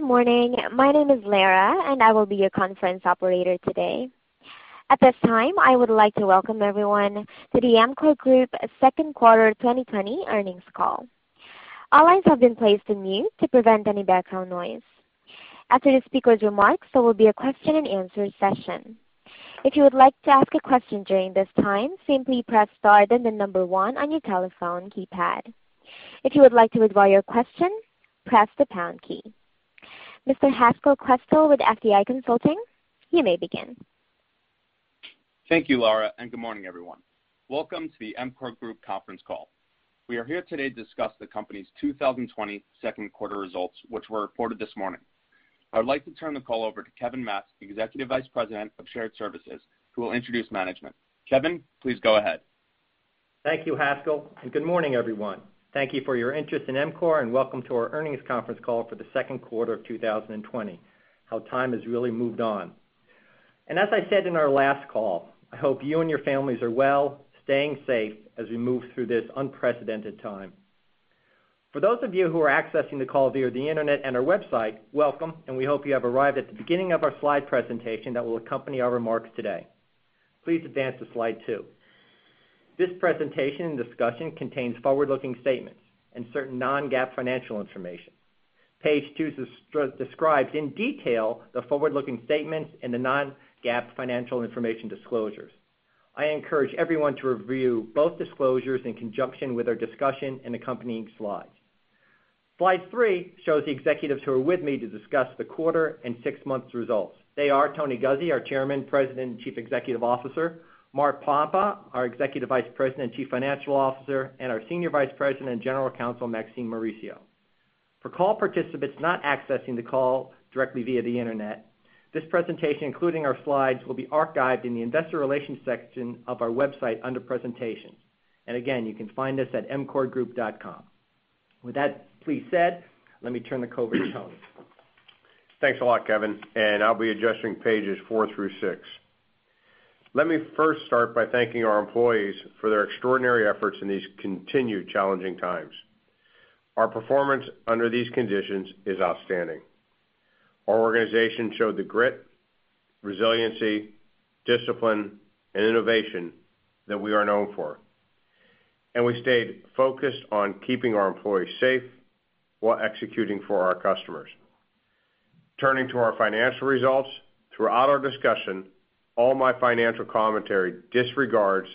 Good morning. My name is Lara. I will be your conference operator today. At this time, I would like to welcome everyone to the EMCOR Group Second Quarter 2020 Earnings Call. All lines have been placed on mute to prevent any background noise. After the speaker's remarks, there will be a question and answer session. If you would like to ask a question during this time, simply press star, the number one on your telephone keypad. If you would like to withdraw your question, press the pound key. Mr. Haskel Kwestel with FTI Consulting, you may begin. Thank you, Lara. Good morning, everyone. Welcome to the EMCOR Group conference call. We are here today to discuss the company's 2020 second quarter results, which were reported this morning. I would like to turn the call over to Kevin Matz, Executive Vice President of Shared Services, who will introduce management. Kevin, please go ahead. Thank you, Haskel. Good morning, everyone. Thank you for your interest in EMCOR, and welcome to our earnings conference call for the second quarter of 2020. How time has really moved on. As I said in our last call, I hope you and your families are well, staying safe as we move through this unprecedented time. For those of you who are accessing the call via the internet and our website, welcome, and we hope you have arrived at the beginning of our slide presentation that will accompany our remarks today. Please advance to slide two. This presentation and discussion contains forward-looking statements and certain non-GAAP financial information. Page two describes in detail the forward-looking statements and the non-GAAP financial information disclosures. I encourage everyone to review both disclosures in conjunction with our discussion and accompanying slides. Slide three shows the executives who are with me to discuss the quarter and six months results. They are Tony Guzzi, our Chairman, President, and Chief Executive Officer, Mark Pompa, our Executive Vice President and Chief Financial Officer, and our Senior Vice President and General Counsel, Maxine Mauricio. For call participants not accessing the call directly via the internet, this presentation, including our slides, will be archived in the investor relations section of our website under presentations. Again, you can find us at emcorgroup.com. With that said, let me turn the call over to Tony. Thanks a lot, Kevin. I'll be addressing pages four through six. Let me first start by thanking our employees for their extraordinary efforts in these continued challenging times. Our performance under these conditions is outstanding. Our organization showed the grit, resiliency, discipline, and innovation that we are known for, and we stayed focused on keeping our employees safe while executing for our customers. Turning to our financial results, throughout our discussion, all my financial commentary disregards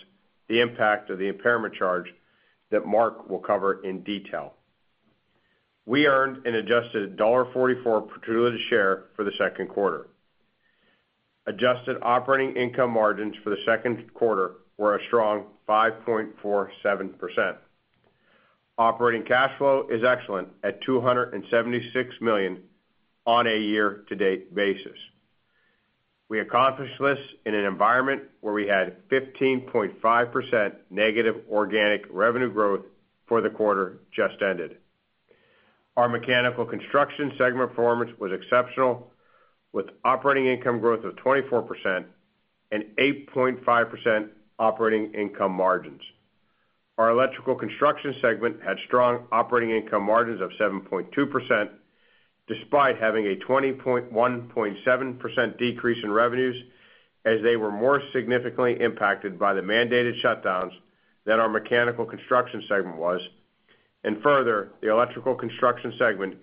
the impact of the impairment charge that Mark will cover in detail. We earned an adjusted $1.44 per diluted share for the second quarter. Adjusted operating income margins for the second quarter were a strong 5.47%. Operating cash flow is excellent at $276 million on a year-to-date basis. We accomplished this in an environment where we had 15.5% negative organic revenue growth for the quarter just ended. Our Mechanical Construction segment performance was exceptional, with operating income growth of 24% and 8.5% operating income margins. Our Electrical Construction segment had strong operating income margins of 7.2%, despite having a 21.7% decrease in revenues as they were more significantly impacted by the mandated shutdowns than our Mechanical Construction segment was. Further, the Electrical Construction segment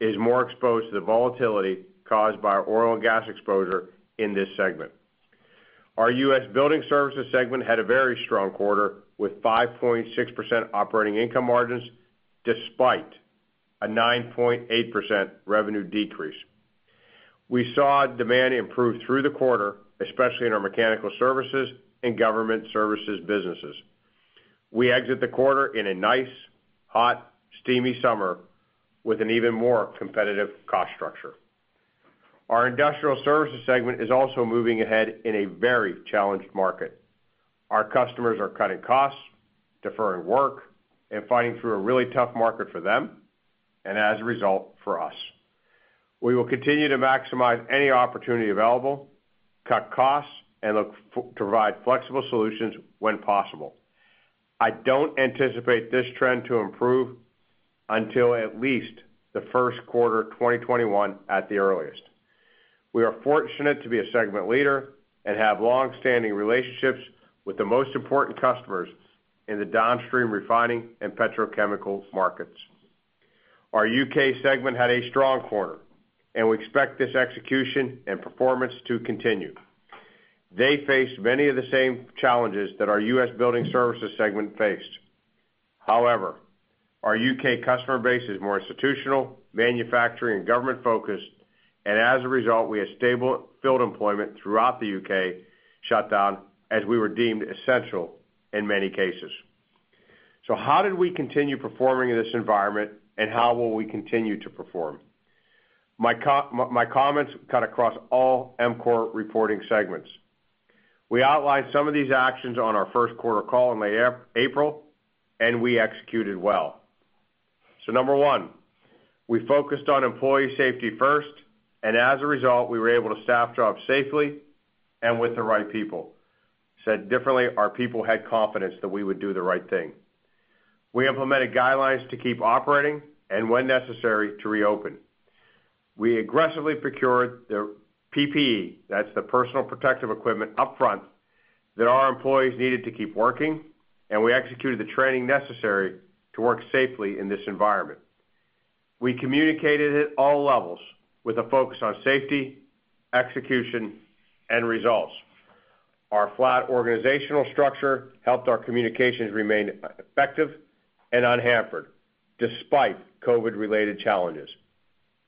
is more exposed to the volatility caused by our oil and gas exposure in this segment. Our U.S. Building Services segment had a very strong quarter, with 5.6% operating income margins, despite a 9.8% revenue decrease. We saw demand improve through the quarter, especially in our mechanical services and government services businesses. We exit the quarter in a nice, hot, steamy summer with an even more competitive cost structure. Our Industrial Services segment is also moving ahead in a very challenged market. Our customers are cutting costs, deferring work, and fighting through a really tough market for them, and as a result, for us. We will continue to maximize any opportunity available, cut costs, and look to provide flexible solutions when possible. I don't anticipate this trend to improve until at least the first quarter of 2021 at the earliest. We are fortunate to be a segment leader and have longstanding relationships with the most important customers in the downstream refining and petrochemical markets. Our U.K. segment had a strong quarter, and we expect this execution and performance to continue. They faced many of the same challenges that our U.S. Building Services segment faced. However, our U.K. customer base is more institutional, manufacturing, and government-focused, and as a result, we had stable field employment throughout the U.K. shutdown as we were deemed essential in many cases. How did we continue performing in this environment, and how will we continue to perform? My comments cut across all EMCOR reporting segments. We outlined some of these actions on our first quarter call in late April, and we executed well. Number one, we focused on employee safety first, and as a result, we were able to staff drop safely and with the right people. Said differently, our people had confidence that we would do the right thing. We implemented guidelines to keep operating and, when necessary, to reopen. We aggressively procured the PPE, that's the personal protective equipment, upfront that our employees needed to keep working, and we executed the training necessary to work safely in this environment. We communicated at all levels with a focus on safety, execution, and results. Our flat organizational structure helped our communications remain effective and unhampered despite COVID-related challenges.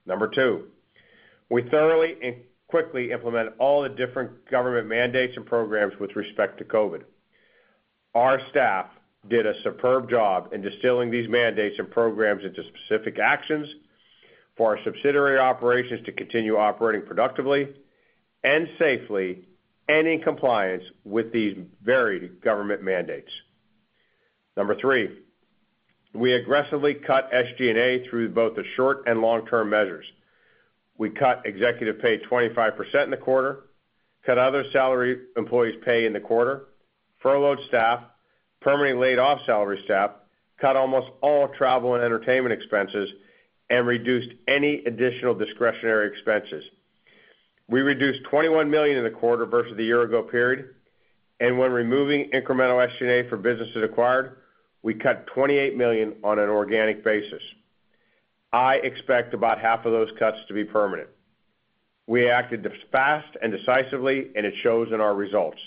Number two, we thoroughly and quickly implement all the different government mandates and programs with respect to COVID. Our staff did a superb job in distilling these mandates and programs into specific actions for our subsidiary operations to continue operating productively and safely and in compliance with these varied government mandates. Number three, we aggressively cut SG&A through both the short and long-term measures. We cut executive pay 25% in the quarter, cut other salary employees pay in the quarter, furloughed staff, permanently laid off salary staff, cut almost all travel and entertainment expenses, and reduced any additional discretionary expenses. We reduced $21 million in the quarter versus the year-ago period. When removing incremental SG&A for businesses acquired, we cut $28 million on an organic basis. I expect about half of those cuts to be permanent. We acted fast and decisively, it shows in our results.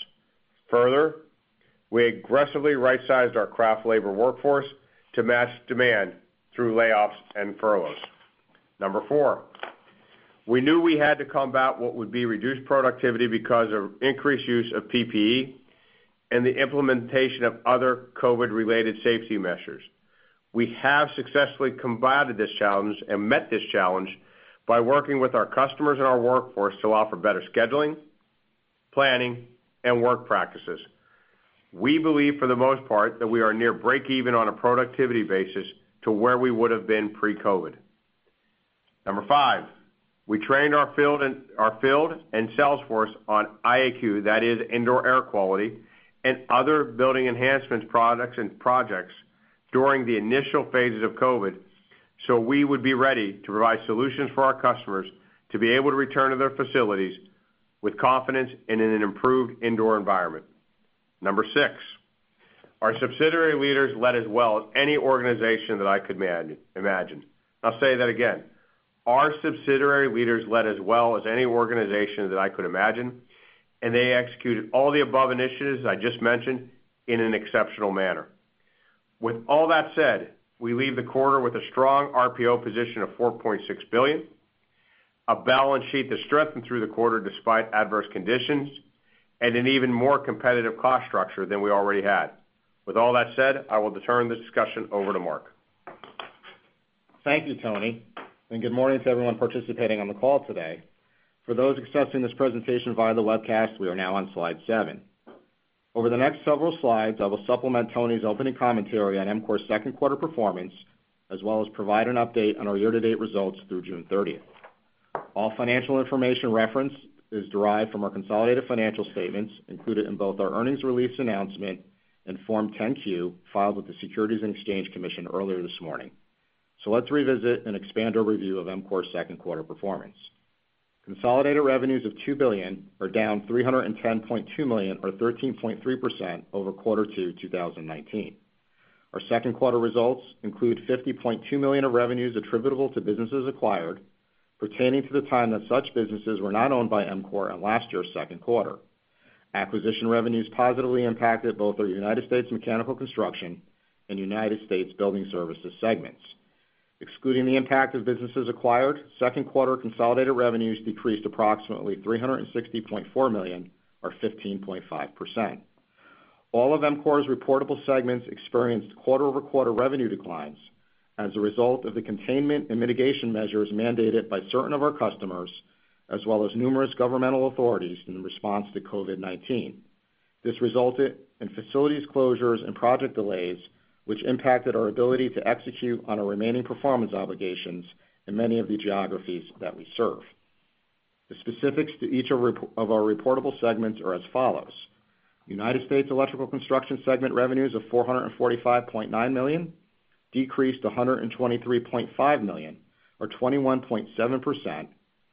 We aggressively right-sized our craft labor workforce to match demand through layoffs and furloughs. Number four, we knew we had to combat what would be reduced productivity because of increased use of PPE and the implementation of other COVID-related safety measures. We have successfully combated this challenge and met this challenge by working with our customers and our workforce to offer better scheduling, planning, and work practices. We believe, for the most part, that we are near breakeven on a productivity basis to where we would've been pre-COVID. Number five, we trained our field and sales force on IAQ, that is indoor air quality, and other building enhancements products and projects during the initial phases of COVID, we would be ready to provide solutions for our customers to be able to return to their facilities with confidence and in an improved indoor environment. Number six, our subsidiary leaders led as well as any organization that I could imagine. I'll say that again. Our subsidiary leaders led as well as any organization that I could imagine, and they executed all the above initiatives I just mentioned in an exceptional manner. With all that said, we leave the quarter with a strong RPO position of $4.6 billion, a balance sheet that strengthened through the quarter despite adverse conditions, and an even more competitive cost structure than we already had. With all that said, I will turn the discussion over to Mark. Thank you, Tony, and good morning to everyone participating on the call today. For those accessing this presentation via the webcast, we are now on slide seven. Over the next several slides, I will supplement Tony's opening commentary on EMCOR's second quarter performance, as well as provide an update on our year-to-date results through June 30th. All financial information referenced is derived from our consolidated financial statements included in both our earnings release announcement and Form 10-Q filed with the Securities and Exchange Commission earlier this morning. Let's revisit and expand our review of EMCOR's second quarter performance. Consolidated revenues of $2 billion are down $310.2 million or 13.3% over quarter two 2019. Our second quarter results include $50.2 million of revenues attributable to businesses acquired pertaining to the time that such businesses were not owned by EMCOR in last year's second quarter. Acquisition revenues positively impacted both our United States Mechanical Construction and United States Building Services segments. Excluding the impact of businesses acquired, second quarter consolidated revenues decreased approximately $360.4 million or 15.5%. All of EMCOR's reportable segments experienced quarter-over-quarter revenue declines as a result of the containment and mitigation measures mandated by certain of our customers, as well as numerous governmental authorities in response to COVID-19. This resulted in facilities closures and project delays, which impacted our ability to execute on our remaining performance obligations in many of the geographies that we serve. The specifics to each of our reportable segments are as follows. United States Electrical Construction segment revenues of $445.9 million decreased $123.5 million or 21.7%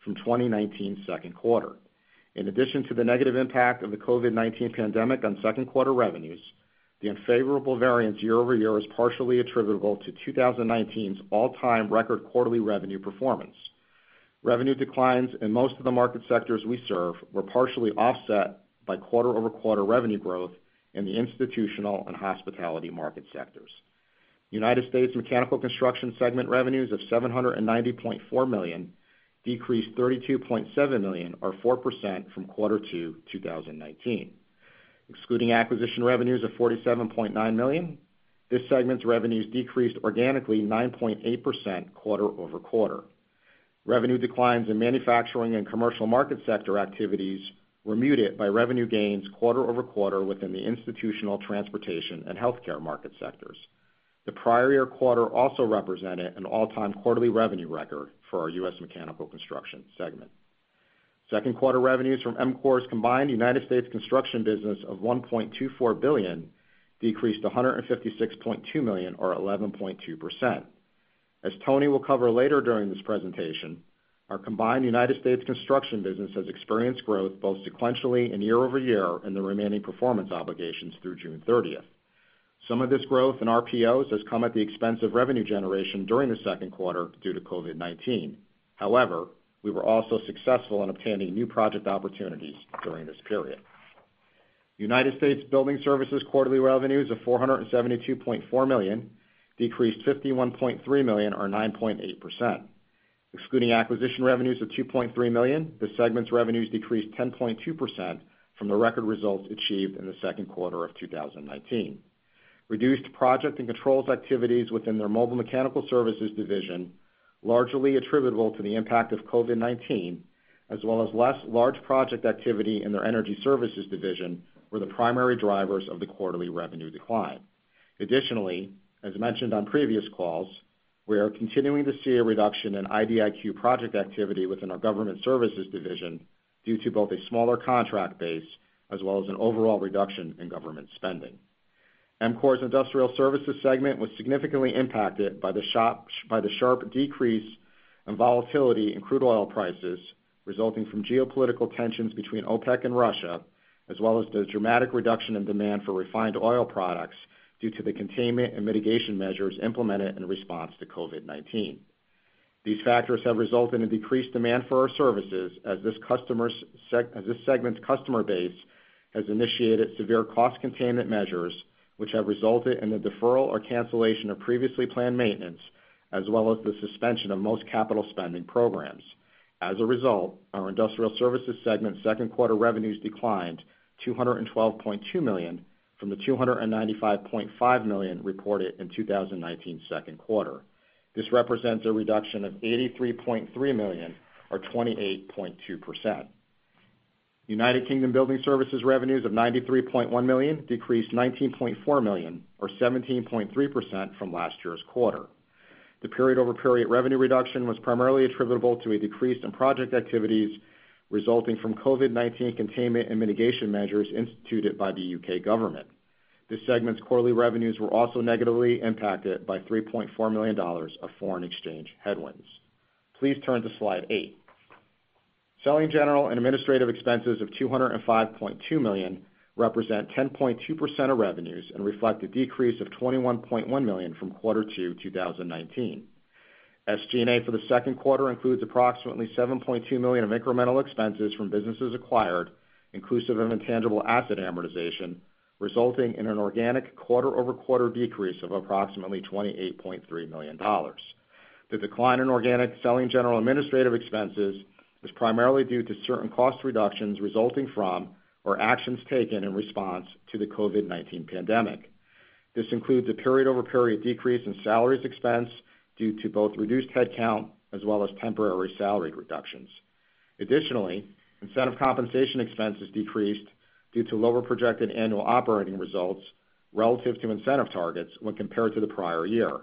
from 2019's second quarter. In addition to the negative impact of the COVID-19 pandemic on second quarter revenues, the unfavorable variance year-over-year is partially attributable to 2019's all-time record quarterly revenue performance. Revenue declines in most of the market sectors we serve were partially offset by quarter-over-quarter revenue growth in the institutional and hospitality market sectors. United States Mechanical Construction segment revenues of $790.4 million decreased $32.7 million or 4% from quarter two 2019. Excluding acquisition revenues of $47.9 million, this segment's revenues decreased organically 9.8% quarter-over-quarter. Revenue declines in manufacturing and commercial market sector activities were muted by revenue gains quarter-over-quarter within the institutional transportation and healthcare market sectors. The prior year quarter also represented an all-time quarterly revenue record for our U.S. Mechanical Construction segment. Second quarter revenues from EMCOR's combined United States Construction business of $1.24 billion decreased $156.2 million, or 11.2%. As Tony will cover later during this presentation, our combined United States Construction business has experienced growth both sequentially and year-over-year in the remaining performance obligations through June 30th. Some of this growth in RPOs has come at the expense of revenue generation during the second quarter due to COVID-19. We were also successful in obtaining new project opportunities during this period. United States Building Services quarterly revenues of $472.4 million decreased $51.3 million, or 9.8%. Excluding acquisition revenues of $2.3 million, this segment's revenues decreased 10.2% from the record results achieved in the second quarter of 2019. Reduced project and controls activities within their mobile mechanical services division, largely attributable to the impact of COVID-19, as well as less large project activity in their energy services division, were the primary drivers of the quarterly revenue decline. Additionally, as mentioned on previous calls, we are continuing to see a reduction in IDIQ project activity within our government services division due to both a smaller contract base as well as an overall reduction in government spending. EMCOR's Industrial Services segment was significantly impacted by the sharp decrease and volatility in crude oil prices resulting from geopolitical tensions between OPEC and Russia, as well as the dramatic reduction in demand for refined oil products due to the containment and mitigation measures implemented in response to COVID-19. These factors have resulted in decreased demand for our services as this segment's customer base has initiated severe cost containment measures which have resulted in the deferral or cancellation of previously planned maintenance, as well as the suspension of most capital spending programs. As a result, our Industrial Services segment second quarter revenues declined $212.2 million from the $295.5 million reported in 2019's second quarter. This represents a reduction of $83.3 million, or 28.2%. United Kingdom Building Services revenues of $93.1 million decreased $19.4 million, or 17.3%, from last year's quarter. The period-over-period revenue reduction was primarily attributable to a decrease in project activities resulting from COVID-19 containment and mitigation measures instituted by the U.K. government. This segment's quarterly revenues were also negatively impacted by $3.4 million of foreign exchange headwinds. Please turn to slide eight. Selling general and administrative expenses of $205.2 million represent 10.2% of revenues and reflect a decrease of $21.1 million from quarter two 2019. SG&A for the second quarter includes approximately $7.2 million of incremental expenses from businesses acquired, inclusive of intangible asset amortization, resulting in an organic quarter-over-quarter decrease of approximately $28.3 million. The decline in organic selling, general and administrative expenses was primarily due to certain cost reductions resulting from or actions taken in response to the COVID-19 pandemic. This includes a period-over-period decrease in salaries expense due to both reduced headcount as well as temporary salary reductions. Additionally, incentive compensation expenses decreased due to lower projected annual operating results relative to incentive targets when compared to the prior year.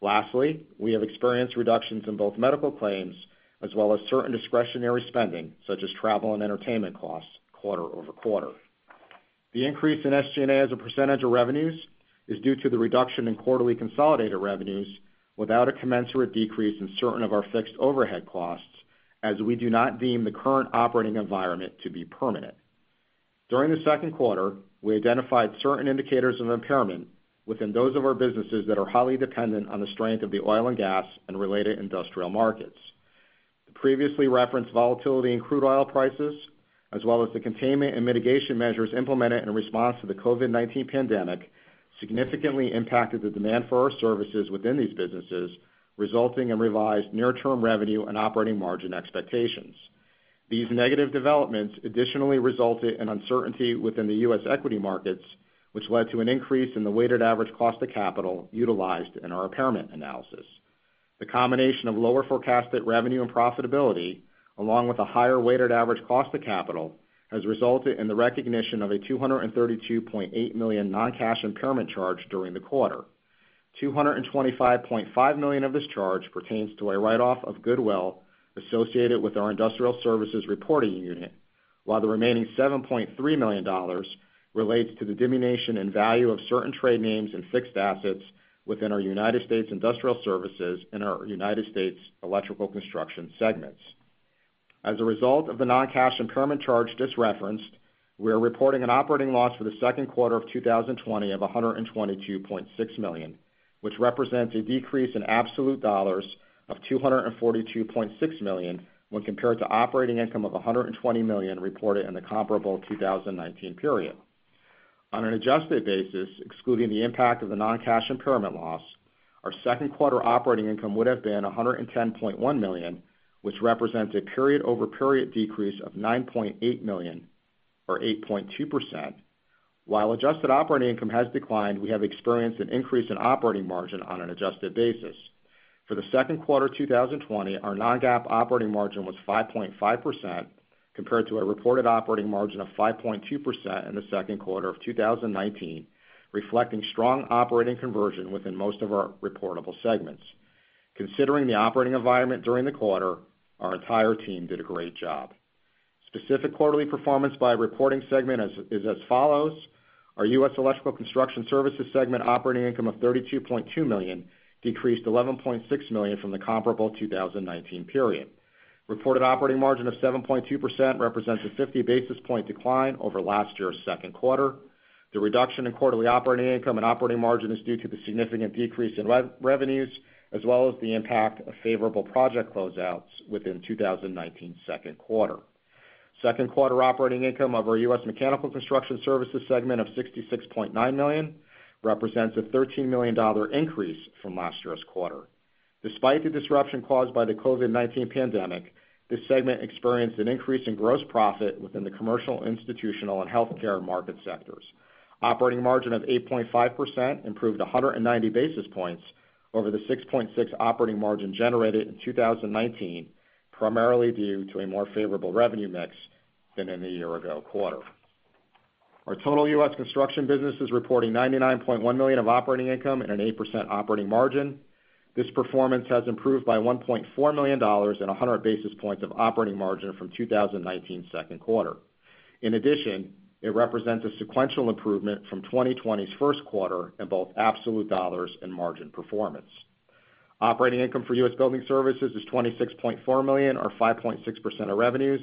Lastly, we have experienced reductions in both medical claims as well as certain discretionary spending, such as travel and entertainment costs quarter-over-quarter. The increase in SG&A as a percentage of revenues is due to the reduction in quarterly consolidated revenues without a commensurate decrease in certain of our fixed overhead costs, as we do not deem the current operating environment to be permanent. During the second quarter, we identified certain indicators of impairment within those of our businesses that are highly dependent on the strength of the oil and gas and related industrial markets. The previously referenced volatility in crude oil prices, as well as the containment and mitigation measures implemented in response to the COVID-19 pandemic, significantly impacted the demand for our services within these businesses, resulting in revised near-term revenue and operating margin expectations. These negative developments additionally resulted in uncertainty within the U.S. equity markets, which led to an increase in the weighted average cost of capital utilized in our impairment analysis. The combination of lower forecasted revenue and profitability, along with a higher weighted average cost of capital, has resulted in the recognition of a $232.8 million non-cash impairment charge during the quarter. $225.5 million of this charge pertains to a write-off of goodwill associated with our Industrial Services reporting unit, while the remaining $7.3 million relates to the diminution in value of certain trade names and fixed assets within our United States Industrial Services and our United States Electrical Construction segments. As a result of the non-cash impairment charge just referenced, we are reporting an operating loss for the second quarter of 2020 of $122.6 million, which represents a decrease in absolute dollars of $242.6 million when compared to operating income of $120 million reported in the comparable 2019 period. On an adjusted basis, excluding the impact of the non-cash impairment loss, our second quarter operating income would have been $110.1 million, which represents a period over period decrease of $9.8 million, or 8.2%. While adjusted operating income has declined, we have experienced an increase in operating margin on an adjusted basis. For the second quarter 2020, our non-GAAP operating margin was 5.5% compared to a reported operating margin of 5.2% in the second quarter of 2019, reflecting strong operating conversion within most of our reportable segments. Considering the operating environment during the quarter, our entire team did a great job. Specific quarterly performance by reporting segment is as follows. Our U.S. Electrical Construction segment operating income of $32.2 million decreased $11.6 million from the comparable 2019 period. Reported operating margin of 7.2% represents a 50 basis point decline over last year's second quarter. The reduction in quarterly operating income and operating margin is due to the significant decrease in revenues, as well as the impact of favorable project closeouts within 2019's second quarter. Second quarter operating income of our U.S. Mechanical Construction segment of $66.9 million represents a $13 million increase from last year's quarter. Despite the disruption caused by the COVID-19 pandemic, this segment experienced an increase in gross profit within the commercial, institutional, and healthcare market sectors. Operating margin of 8.5% improved 190 basis points over the 6.6% operating margin generated in 2019, primarily due to a more favorable revenue mix than in the year-ago quarter. Our total U.S. Construction business is reporting $99.1 million of operating income and an 8% operating margin. This performance has improved by $1.4 million and 100 basis points of operating margin from 2019's second quarter. In addition, it represents a sequential improvement from 2020's first quarter in both absolute dollars and margin performance. Operating income for U.S. Building Services is $26.4 million, or 5.6% of revenues,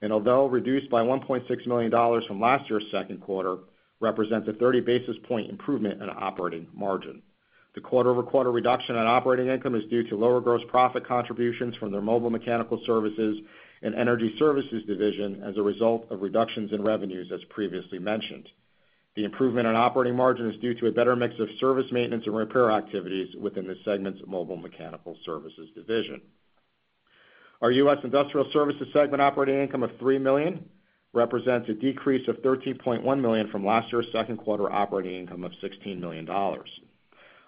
and although reduced by $1.6 million from last year's second quarter, represents a 30 basis point improvement in operating margin. The quarter-over-quarter reduction in operating income is due to lower gross profit contributions from their mobile mechanical services and energy services division as a result of reductions in revenues, as previously mentioned. The improvement in operating margin is due to a better mix of service maintenance and repair activities within the segment's mobile mechanical services division. Our U.S. Industrial Services segment operating income of $3 million represents a decrease of $13.1 million from last year's second quarter operating income of $16 million.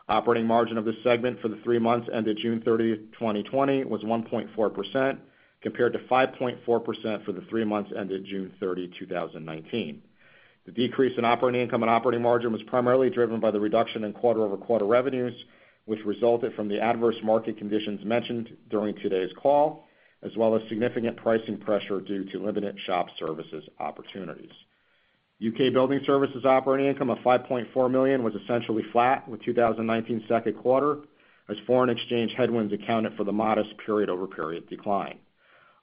Operating margin of this segment for the three months ended June 30, 2020, was 1.4%, compared to 5.4% for the three months ended June 30, 2019. The decrease in operating income and operating margin was primarily driven by the reduction in quarter-over-quarter revenues, which resulted from the adverse market conditions mentioned during today's call, as well as significant pricing pressure due to limited shop services opportunities. UK Building Services operating income of $5.4 million was essentially flat with 2019's second quarter, as foreign exchange headwinds accounted for the modest period-over-period decline.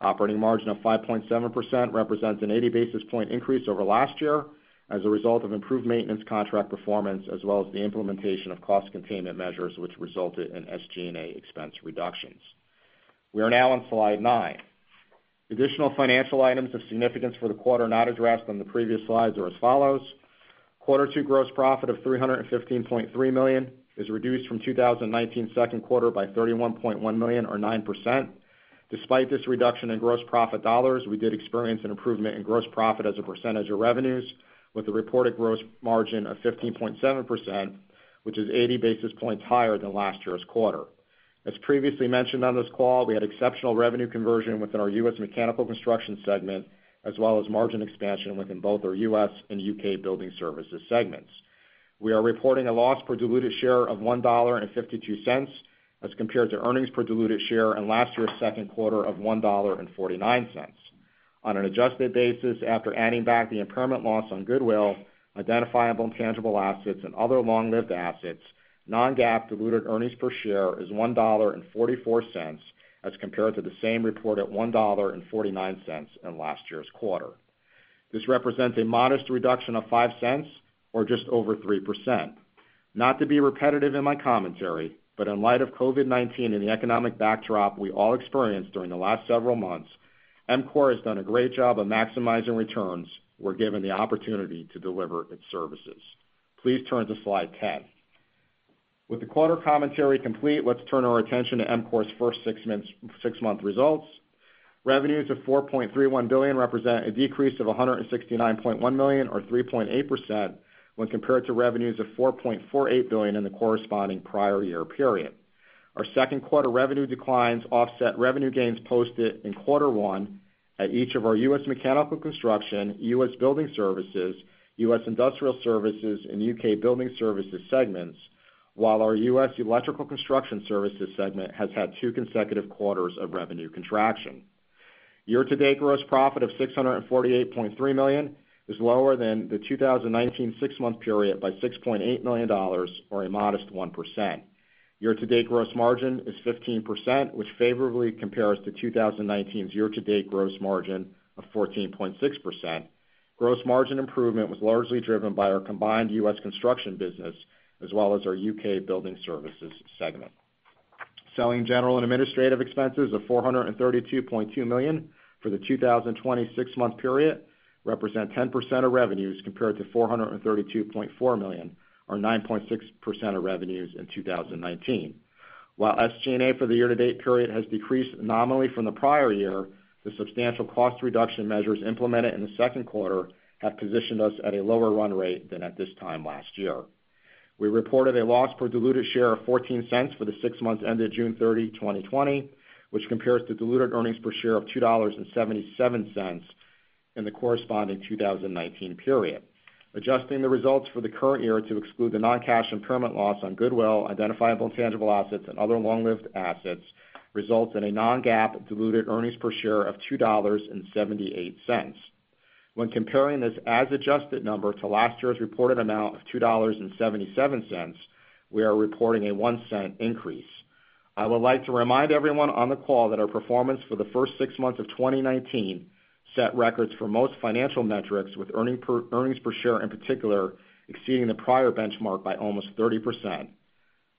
Operating margin of 5.7% represents an 80 basis point increase over last year as a result of improved maintenance contract performance as well as the implementation of cost containment measures which resulted in SG&A expense reductions. We are now on slide nine. Additional financial items of significance for the quarter not addressed on the previous slides are as follows. Quarter two gross profit of $315.3 million is reduced from 2019's second quarter by $31.1 million, or 9%. Despite this reduction in gross profit dollars, we did experience an improvement in gross profit as a percentage of revenues, with a reported gross margin of 15.7%, which is 80 basis points higher than last year's quarter. As previously mentioned on this call, we had exceptional revenue conversion within our U.S. Mechanical Construction segment, as well as margin expansion within both our U.S. and U.K. Building Services segments. We are reporting a loss per diluted share of $1.52 as compared to earnings per diluted share in last year's second quarter of $1.49. On an adjusted basis, after adding back the impairment loss on goodwill, identifiable intangible assets, and other long-lived assets, non-GAAP diluted earnings per share is $1.44 as compared to the same reported $1.49 in last year's quarter. This represents a modest reduction of $0.05, or just over 3%. Not to be repetitive in my commentary, but in light of COVID-19 and the economic backdrop we all experienced during the last several months, EMCOR has done a great job of maximizing returns where given the opportunity to deliver its services. Please turn to slide 10. With the quarter commentary complete, let's turn our attention to EMCOR's first six-month results. Revenues of $4.31 billion represent a decrease of $169.1 million, or 3.8%, when compared to revenues of $4.48 billion in the corresponding prior year period. Our second quarter revenue declines offset revenue gains posted in quarter one at each of our U.S. Mechanical Construction, U.S. Building Services, U.S. Industrial Services, and U.K. Building Services segments, while our U.S. Electrical Construction Services segment has had two consecutive quarters of revenue contraction. Year-to-date gross profit of $648.3 million is lower than the 2019 six-month period by $6.8 million, or a modest 1%. Year-to-date gross margin is 15%, which favorably compares to 2019's year-to-date gross margin of 14.6%. Gross margin improvement was largely driven by our combined U.S. Construction business, as well as our U.K. Building Services segment. Selling, general, and administrative expenses of $432.2 million for the 2020 six-month period represent 10% of revenues, compared to $432.4 million, or 9.6% of revenues in 2019. While SG&A for the year-to-date period has decreased nominally from the prior year, the substantial cost reduction measures implemented in the second quarter have positioned us at a lower run rate than at this time last year. We reported a loss per diluted share of $0.14 for the six months ended June 30, 2020, which compares to diluted earnings per share of $2.77 in the corresponding 2019 period. Adjusting the results for the current year to exclude the non-cash impairment loss on goodwill, identifiable intangible assets, and other long-lived assets, results in a non-GAAP diluted earnings per share of $2.78. When comparing this as adjusted number to last year's reported amount of $2.77, we are reporting a $0.01 increase. I would like to remind everyone on the call that our performance for the first six months of 2019 set records for most financial metrics, with earnings per share, in particular, exceeding the prior benchmark by almost 30%.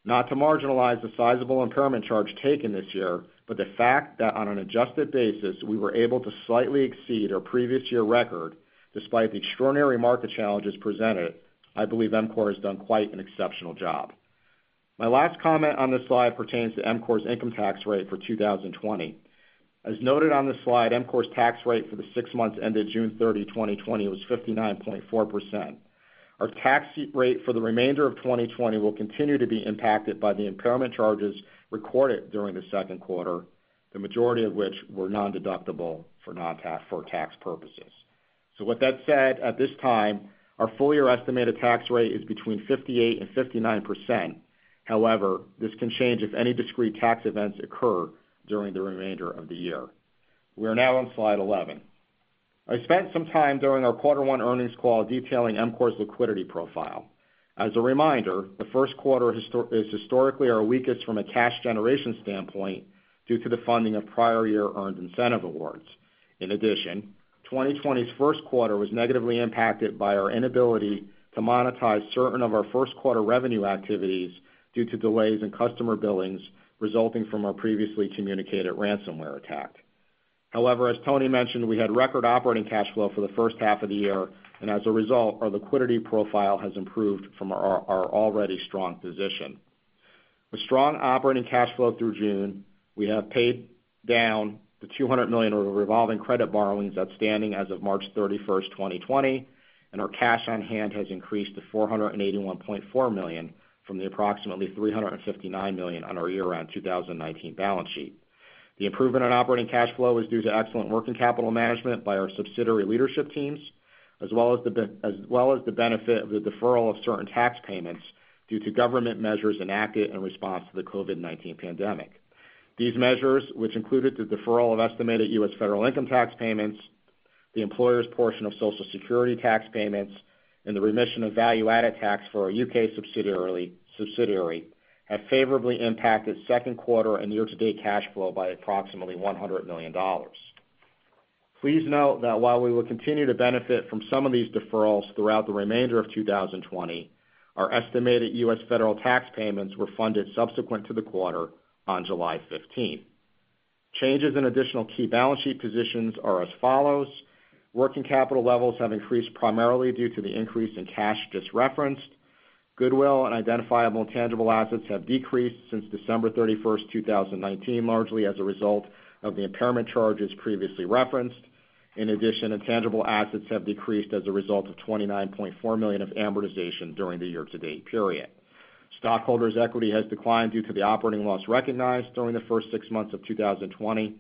Not to marginalize the sizable impairment charge taken this year, but the fact that on an adjusted basis, we were able to slightly exceed our previous year record, despite the extraordinary market challenges presented, I believe EMCOR has done quite an exceptional job. My last comment on this slide pertains to EMCOR's income tax rate for 2020. As noted on this slide, EMCOR's tax rate for the six months ended June 30, 2020, was 59.4%. Our tax rate for the remainder of 2020 will continue to be impacted by the impairment charges recorded during the second quarter, the majority of which were non-deductible for tax purposes. With that said, at this time, our full-year estimated tax rate is between 58% and 59%. However, this can change if any discrete tax events occur during the remainder of the year. We are now on slide 11. I spent some time during our quarter one earnings call detailing EMCOR's liquidity profile. As a reminder, the first quarter is historically our weakest from a cash generation standpoint due to the funding of prior year earned incentive awards. In addition, 2020's first quarter was negatively impacted by our inability to monetize certain of our first quarter revenue activities due to delays in customer billings, resulting from our previously communicated ransomware attack. However, as Tony mentioned, we had record operating cash flow for the first half of the year, and as a result, our liquidity profile has improved from our already strong position. With strong operating cash flow through June, we have paid down the $200 million of revolving credit borrowings outstanding as of March 31st, 2020, and our cash on hand has increased to $481.4 million from the approximately $359 million on our year-end 2019 balance sheet. The improvement in operating cash flow is due to excellent working capital management by our subsidiary leadership teams, as well as the benefit of the deferral of certain tax payments due to government measures enacted in response to the COVID-19 pandemic. These measures, which included the deferral of estimated U.S. federal income tax payments, the employer's portion of Social Security tax payments, and the remission of value-added tax for our U.K. subsidiary, have favorably impacted second quarter and year-to-date cash flow by approximately $100 million. Please note that while we will continue to benefit from some of these deferrals throughout the remainder of 2020, our estimated U.S. federal tax payments were funded subsequent to the quarter on July 15th. Changes in additional key balance sheet positions are as follows. Working capital levels have increased primarily due to the increase in cash just referenced. Goodwill and identifiable intangible assets have decreased since December 31st, 2019, largely as a result of the impairment charges previously referenced. In addition, intangible assets have decreased as a result of $29.4 million of amortization during the year-to-date period. Stockholders' equity has declined due to the operating loss recognized during the first six months of 2020.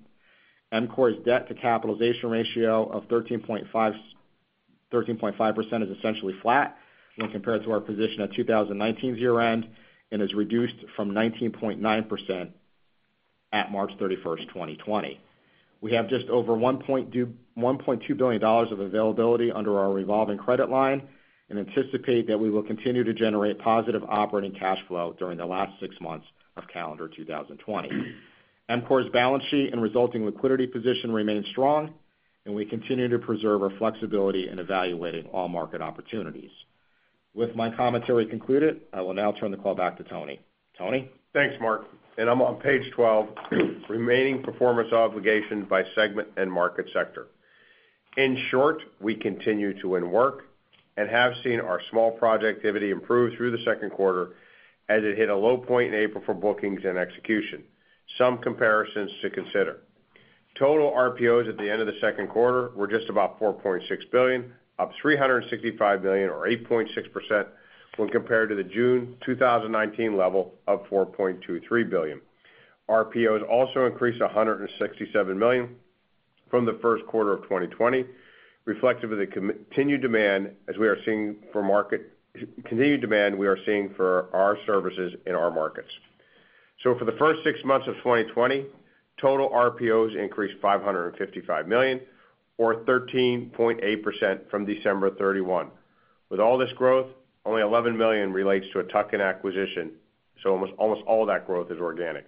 EMCOR's debt to capitalization ratio of 13.5% is essentially flat when compared to our position at 2019's year-end, and is reduced from 19.9% at March 31st, 2020. We have just over $1.2 billion of availability under our revolving credit line and anticipate that we will continue to generate positive operating cash flow during the last six months of calendar 2020. EMCOR's balance sheet and resulting liquidity position remains strong, and we continue to preserve our flexibility in evaluating all market opportunities. With my commentary concluded, I will now turn the call back to Tony. Tony? Thanks, Mark. I'm on page 12, remaining performance obligation by segment and market sector. In short, we continue to win work and have seen our small project activity improve through the second quarter as it hit a low point in April for bookings and execution. Some comparisons to consider. Total RPOs at the end of the second quarter were just about $4.6 billion, up $365 million or 8.6% when compared to the June 2019 level of $4.23 billion. RPOs also increased $167 million from the first quarter of 2020, reflective of the continued demand we are seeing for our services in our markets. For the first six months of 2020, total RPOs increased $555 million or 13.8% from December 31. With all this growth, only $11 million relates to a tuck-in acquisition, so almost all that growth is organic.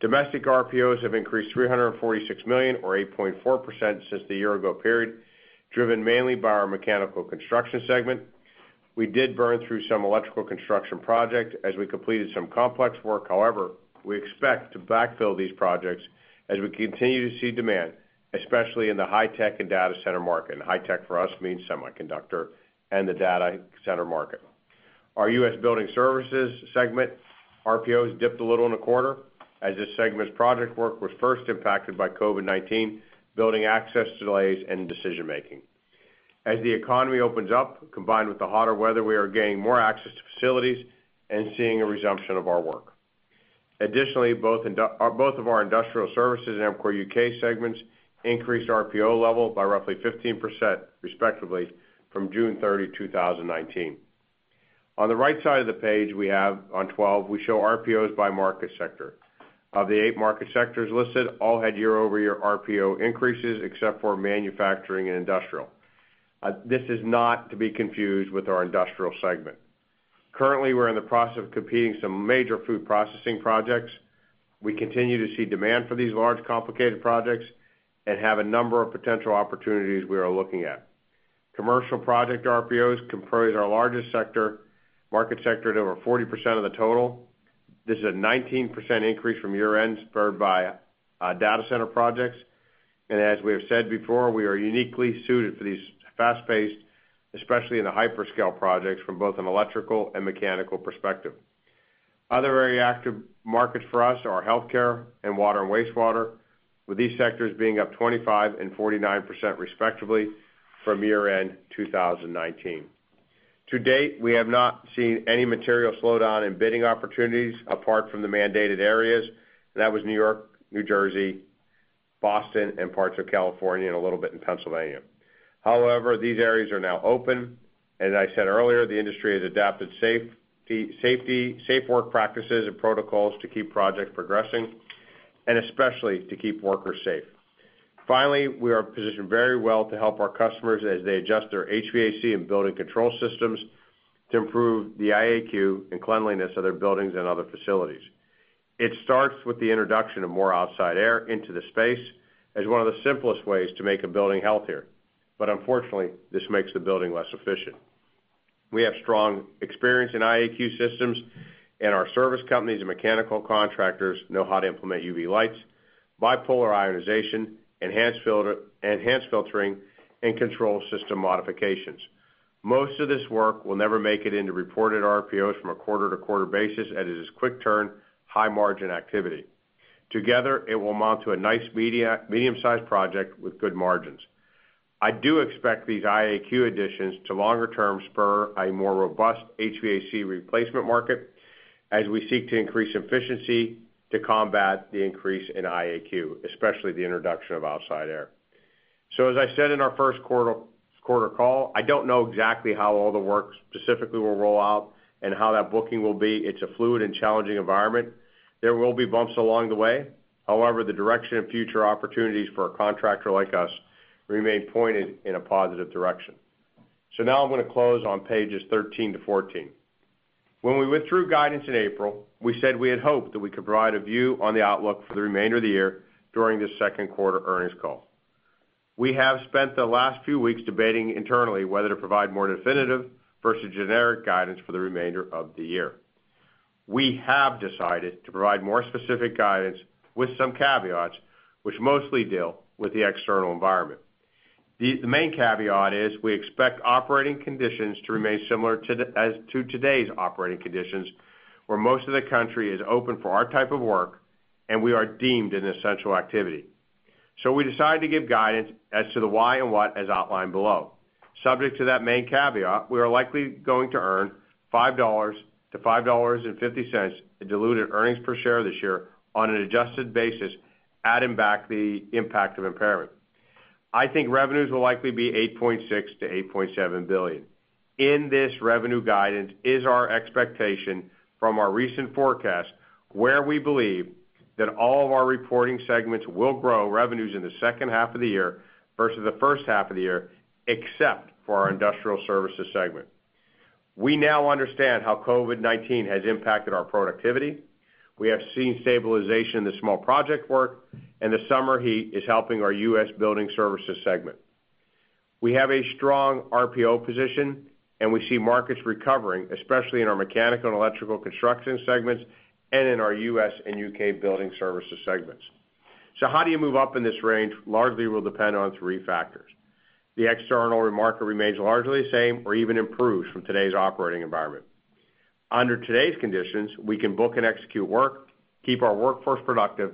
Domestic RPOs have increased $346 million or 8.4% since the year ago period, driven mainly by our Mechanical Construction segment. We did burn through some Electrical Construction project as we completed some complex work. However, we expect to backfill these projects as we continue to see demand, especially in the high-tech and data center market. High-tech for us means semiconductor and the data center market. Our U.S. Building Services segment RPOs dipped a little in the quarter as this segment's project work was first impacted by COVID-19, building access delays, and decision-making. As the economy opens up, combined with the hotter weather, we are gaining more access to facilities and seeing a resumption of our work. Additionally, both of our Industrial Services and EMCOR U.K. segments increased RPO level by roughly 15%, respectively, from June 30, 2019. On the right side of the page, we have on 12, we show RPOs by market sector. Of the eight market sectors listed, all had year-over-year RPO increases except for manufacturing and industrial. This is not to be confused with our Industrial segment. Currently, we're in the process of completing some major food processing projects. We continue to see demand for these large, complicated projects and have a number of potential opportunities we are looking at. Commercial project RPOs comprise our largest market sector at over 40% of the total. This is a 19% increase from year-end, spurred by data center projects. As we have said before, we are uniquely suited for these fast-paced, especially in the hyperscale projects from both an electrical and mechanical perspective. Other very active markets for us are healthcare and water and wastewater, with these sectors being up 25% and 49% respectively from year-end 2019. To date, we have not seen any material slowdown in bidding opportunities apart from the mandated areas, and that was New York, New Jersey, Boston, and parts of California, and a little bit in Pennsylvania. These areas are now open, and as I said earlier, the industry has adapted safe work practices and protocols to keep projects progressing and especially to keep workers safe. Finally, we are positioned very well to help our customers as they adjust their HVAC and building control systems to improve the IAQ and cleanliness of their buildings and other facilities. It starts with the introduction of more outside air into the space as one of the simplest ways to make a building healthier. Unfortunately, this makes the building less efficient. We have strong experience in IAQ systems, and our service companies and mechanical contractors know how to implement UV lights, bipolar ionization, enhanced filtering, and control system modifications. Most of this work will never make it into reported RPOs from a quarter-to-quarter basis, as it is quick turn, high margin activity. Together, it will amount to a nice medium-sized project with good margins. I do expect these IAQ additions to longer term spur a more robust HVAC replacement market as we seek to increase efficiency to combat the increase in IAQ, especially the introduction of outside air. As I said in our first quarter call, I don't know exactly how all the work specifically will roll out and how that booking will be. It's a fluid and challenging environment. There will be bumps along the way. However, the direction of future opportunities for a contractor like us remain pointed in a positive direction. Now I'm going to close on pages 13 to 14. When we withdrew guidance in April, we said we had hoped that we could provide a view on the outlook for the remainder of the year during this second quarter earnings call. We have spent the last few weeks debating internally whether to provide more definitive versus generic guidance for the remainder of the year. We have decided to provide more specific guidance with some caveats which mostly deal with the external environment. The main caveat is we expect operating conditions to remain similar to today's operating conditions where most of the country is open for our type of work and we are deemed an essential activity. We decided to give guidance as to the why and what as outlined below. Subject to that main caveat, we are likely going to earn $5-$5.50 in diluted earnings per share this year on an adjusted basis, adding back the impact of impairment. I think revenues will likely be $8.6 billion-$8.7 billion. In this revenue guidance is our expectation from our recent forecast where we believe that all of our reporting segments will grow revenues in the second half of the year versus the first half of the year, except for our EMCOR Industrial Services segment. We now understand how COVID-19 has impacted our productivity. We have seen stabilization in the small project work, and the summer heat is helping our United States Building Services segment. We have a strong RPO position and we see markets recovering, especially in our United States Mechanical Construction and United States Electrical Construction segments and in our United States Building Services and EMCOR U.K. Building Services segments. How do you move up in this range largely will depend on three factors. The external market remains largely the same or even improves from today's operating environment. Under today's conditions, we can book and execute work, keep our workforce productive,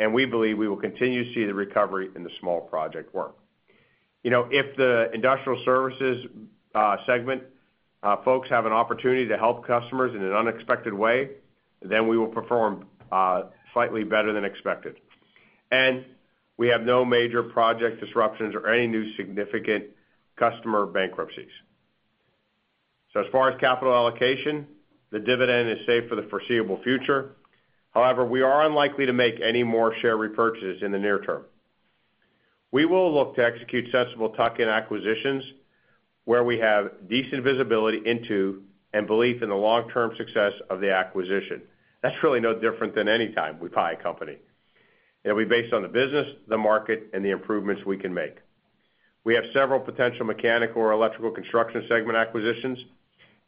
and we believe we will continue to see the recovery in the small project work. If the EMCOR Industrial Services segment folks have an opportunity to help customers in an unexpected way, we will perform slightly better than expected. We have no major project disruptions or any new significant customer bankruptcies. As far as capital allocation, the dividend is safe for the foreseeable future. However, we are unlikely to make any more share repurchases in the near term. We will look to execute sensible tuck-in acquisitions where we have decent visibility into and belief in the long-term success of the acquisition. That's really no different than any time we buy a company. It'll be based on the business, the market, and the improvements we can make. We have several potential Mechanical or Electrical Construction segment acquisitions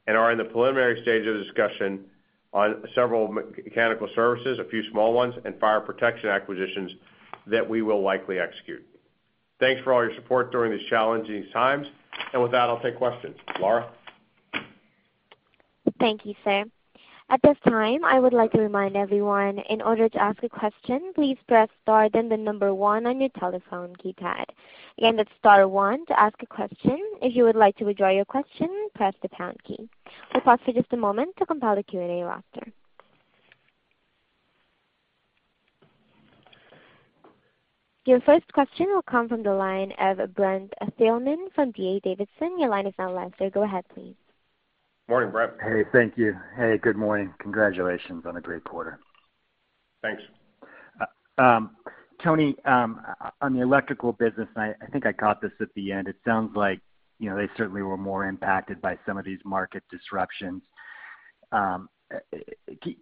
and are in the preliminary stage of discussion on several mechanical services, a few small ones, and fire protection acquisitions that we will likely execute. Thanks for all your support during these challenging times. With that, I'll take questions. Lara? Thank you, sir. At this time, I would like to remind everyone, in order to ask a question, please press star, then the number one on your telephone keypad. Again, that's star 1 to ask a question. If you would like to withdraw your question, press the pound key. We'll pause for just a moment to compile the Q&A roster. Your first question will come from the line of Brent Thielman from D.A. Davidson. Your line is now live, sir. Go ahead, please. Morning, Brent. Hey, thank you. Hey, good morning. Congratulations on a great quarter. Thanks. Tony, on the Electrical business, I think I caught this at the end. It sounds like they certainly were more impacted by some of these market disruptions. Can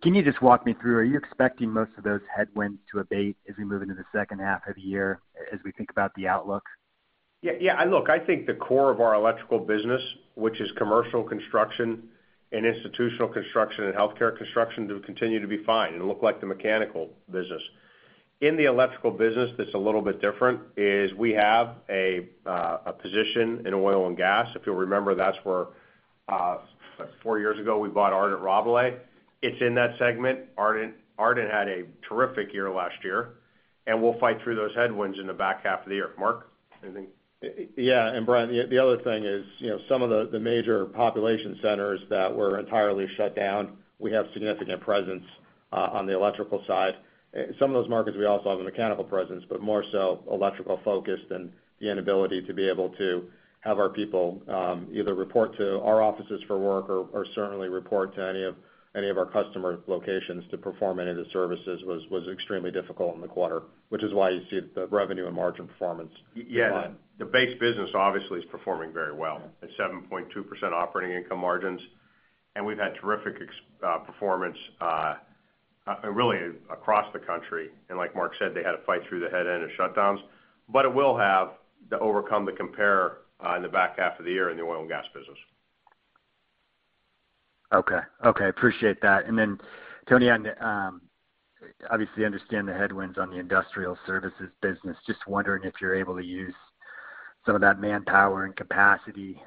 you just walk me through? Are you expecting most of those headwinds to abate as we move into the second half of the year as we think about the outlook? Yeah. Look, I think the core of our Electrical business, which is commercial construction and institutional construction and healthcare construction, will continue to be fine and look like the Mechanical business. In the Electrical business, that's a little bit different, is we have a position in oil and gas. If you'll remember, that's where four years ago we bought Ardent and Rabalais. It's in that segment. Ardent had a terrific year last year, and we'll fight through those headwinds in the back half of the year. Mark, anything? Yeah, Brent, the other thing is, some of the major population centers that were entirely shut down, we have significant presence on the electrical side. Some of those markets we also have a mechanical presence, but more so electrical focused and the inability to be able to have our people either report to our offices for work or certainly report to any of our customer locations to perform any of the services was extremely difficult in the quarter, which is why you see the revenue and margin performance. Yeah, the base business obviously is performing very well at 7.2% operating income margins. We've had terrific performance really across the country. Like Mark said, they had to fight through the head end of shutdowns. It will have to overcome the compare in the back half of the year in the oil and gas business. Okay. Appreciate that. Tony, obviously understand the headwinds on the Industrial Services business. Just wondering if you're able to use some of that manpower and capacity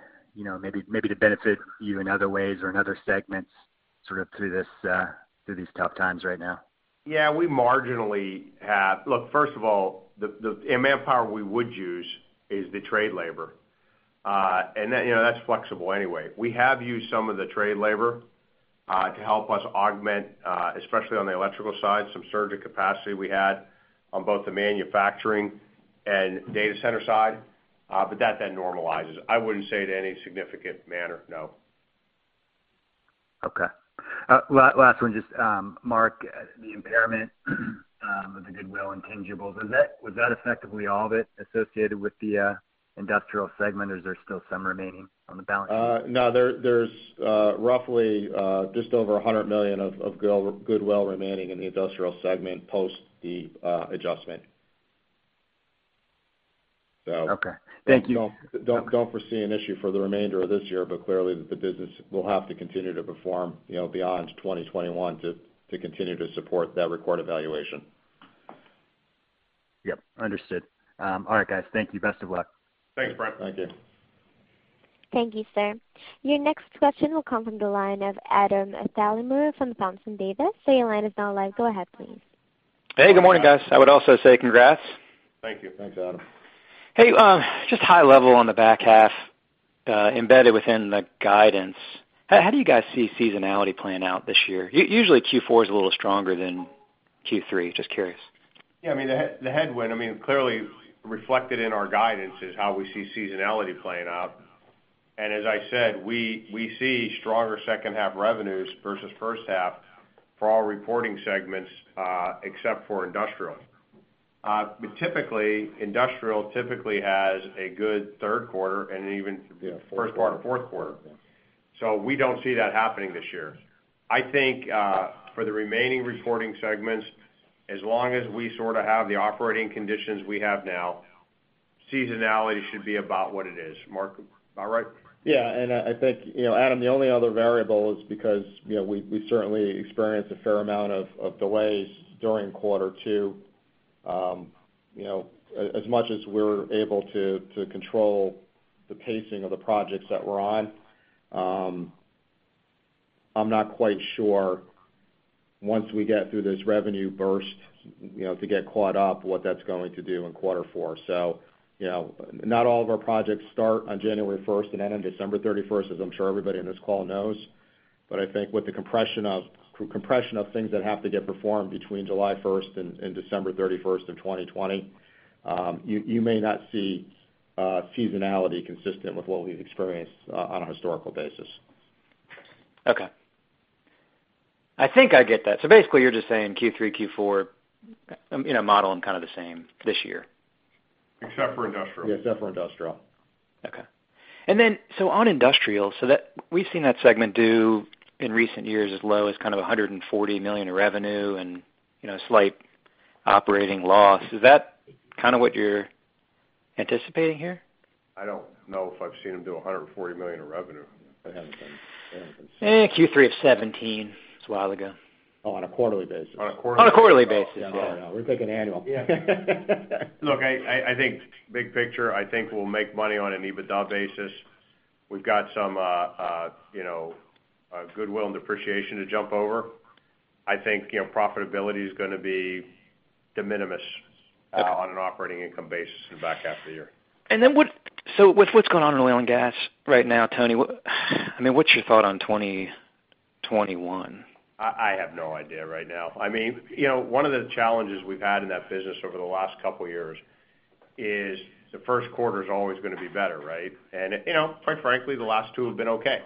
maybe to benefit you in other ways or in other segments sort of through these tough times right now. Yeah, we marginally have. Look, first of all, the manpower we would use is the trade labor. That's flexible anyway. We have used some of the trade labor to help us augment, especially on the electrical side, some surge of capacity we had on both the manufacturing and data center side. That then normalizes. I wouldn't say to any significant manner, no. Okay. Last one, just Mark, the impairment of the goodwill intangibles, was that effectively all of it associated with the Industrial segment or is there still some remaining on the balance sheet? There's roughly just over $100 million of goodwill remaining in the Industrial segment post the adjustment. Okay. Thank you. don't foresee an issue for the remainder of this year, but clearly the business will have to continue to perform beyond 2021 to continue to support that record valuation. Yep, understood. All right, guys. Thank you. Best of luck. Thanks, Brent. Thank you. Thank you, sir. Your next question will come from the line of Adam Thalhimer from Thompson Davis. Your line is now live. Go ahead, please. Hey, good morning, guys. I would also say congrats. Thank you. Thanks, Adam. Hey, just high level on the back half embedded within the guidance. How do you guys see seasonality playing out this year? Usually Q4 is a little stronger than Q3. Just curious. Yeah, the headwind, clearly reflected in our guidance is how we see seasonality playing out. As I said, we see stronger second half revenues versus first half for all reporting segments except for Industrial. Industrial typically has a good third quarter. Yeah, fourth quarter. first part of fourth quarter. We don't see that happening this year. I think for the remaining reporting segments, as long as we sort of have the operating conditions we have now, seasonality should be about what it is. Mark, about right? Yeah, I think, Adam, the only other variable is because we certainly experienced a fair amount of delays during quarter two. As much as we're able to control the pacing of the projects that we're on, I'm not quite sure once we get through this revenue burst to get caught up what that's going to do in quarter four. Not all of our projects start on January 1st and end on December 31st, as I'm sure everybody on this call knows. I think with the compression of things that have to get performed between July 1st and December 31st of 2020, you may not see seasonality consistent with what we've experienced on a historical basis. Okay. I think I get that. Basically you're just saying Q3, Q4, modeling kind of the same this year. Except for Industrial. Yes, except for Industrial. Okay. On Industrial, we've seen that segment do in recent years as low as kind of $140 million in revenue and a slight operating loss. Is that kind of what you're anticipating here? I don't know if I've seen them do $140 million in revenue. I haven't seen it. Q3 of 2017. It's a while ago. Oh, on a quarterly basis. On a quarterly basis. On a quarterly basis, yeah. Oh, no, we're thinking annual. Look, big picture, I think we'll make money on an EBITDA basis. We've got some goodwill and depreciation to jump over. I think profitability is going to be de minimis on an operating income basis in the back half of the year. With what's going on in oil and gas right now, Tony, what's your thought on 2021? I have no idea right now. One of the challenges we've had in that business over the last two years is the first quarter's always going to be better, right? Quite frankly, the last two have been okay.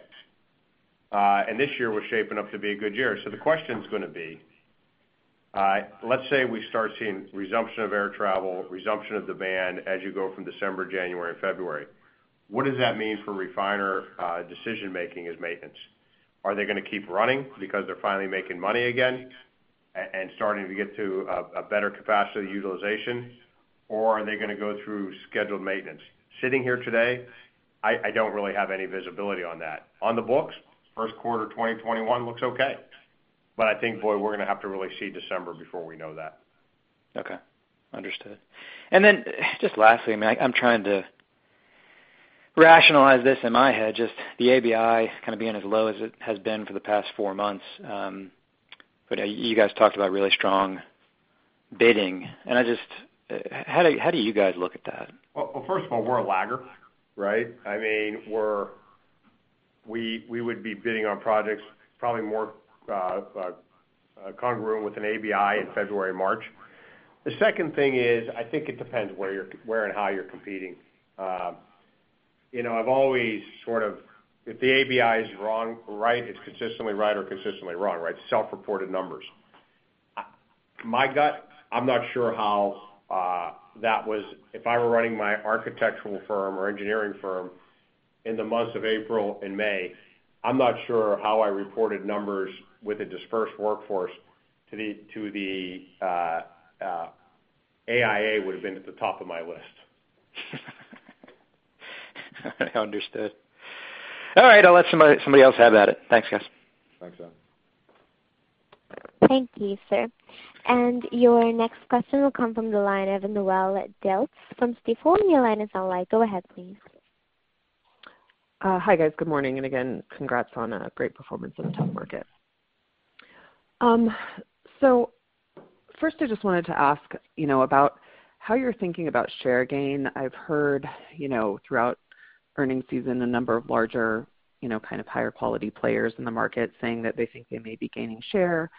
This year we're shaping up to be a good year. The question's going to be, let's say we start seeing resumption of air travel, resumption of demand as you go from December, January and February. What does that mean for refiner decision-making as maintenance? Are they going to keep running because they're finally making money again and starting to get to a better capacity utilization, or are they going to go through scheduled maintenance? Sitting here today, I don't really have any visibility on that. On the books, first quarter 2021 looks okay. I think, boy, we're going to have to really see December before we know that. Okay. Understood. Just lastly, I'm trying to rationalize this in my head, just the ABI kind of being as low as it has been for the past four months, but you guys talked about really strong bidding, and how do you guys look at that? Well, first of all, we're a lagger, right? We would be bidding on projects probably more congruent with an ABI in February, March. The second thing is, I think it depends where and how you're competing. If the ABI is right, it's consistently right or consistently wrong. Self-reported numbers. My gut, if I were running my architectural firm or engineering firm in the months of April and May, I'm not sure how I reported numbers with a dispersed workforce to the AIA would've been at the top of my list. Understood. All right, I'll let somebody else have at it. Thanks, guys. Thanks, Adam. Thank you, sir. Your next question will come from the line of Noelle Dilts. Before your line is unlocked. Go ahead, please. Hi, guys. Good morning, and again, congrats on a great performance in a tough market. First I just wanted to ask about how you're thinking about share gain. I've heard, throughout earning season, a number of larger, kind of higher quality players in the market saying that they think they may be gaining share,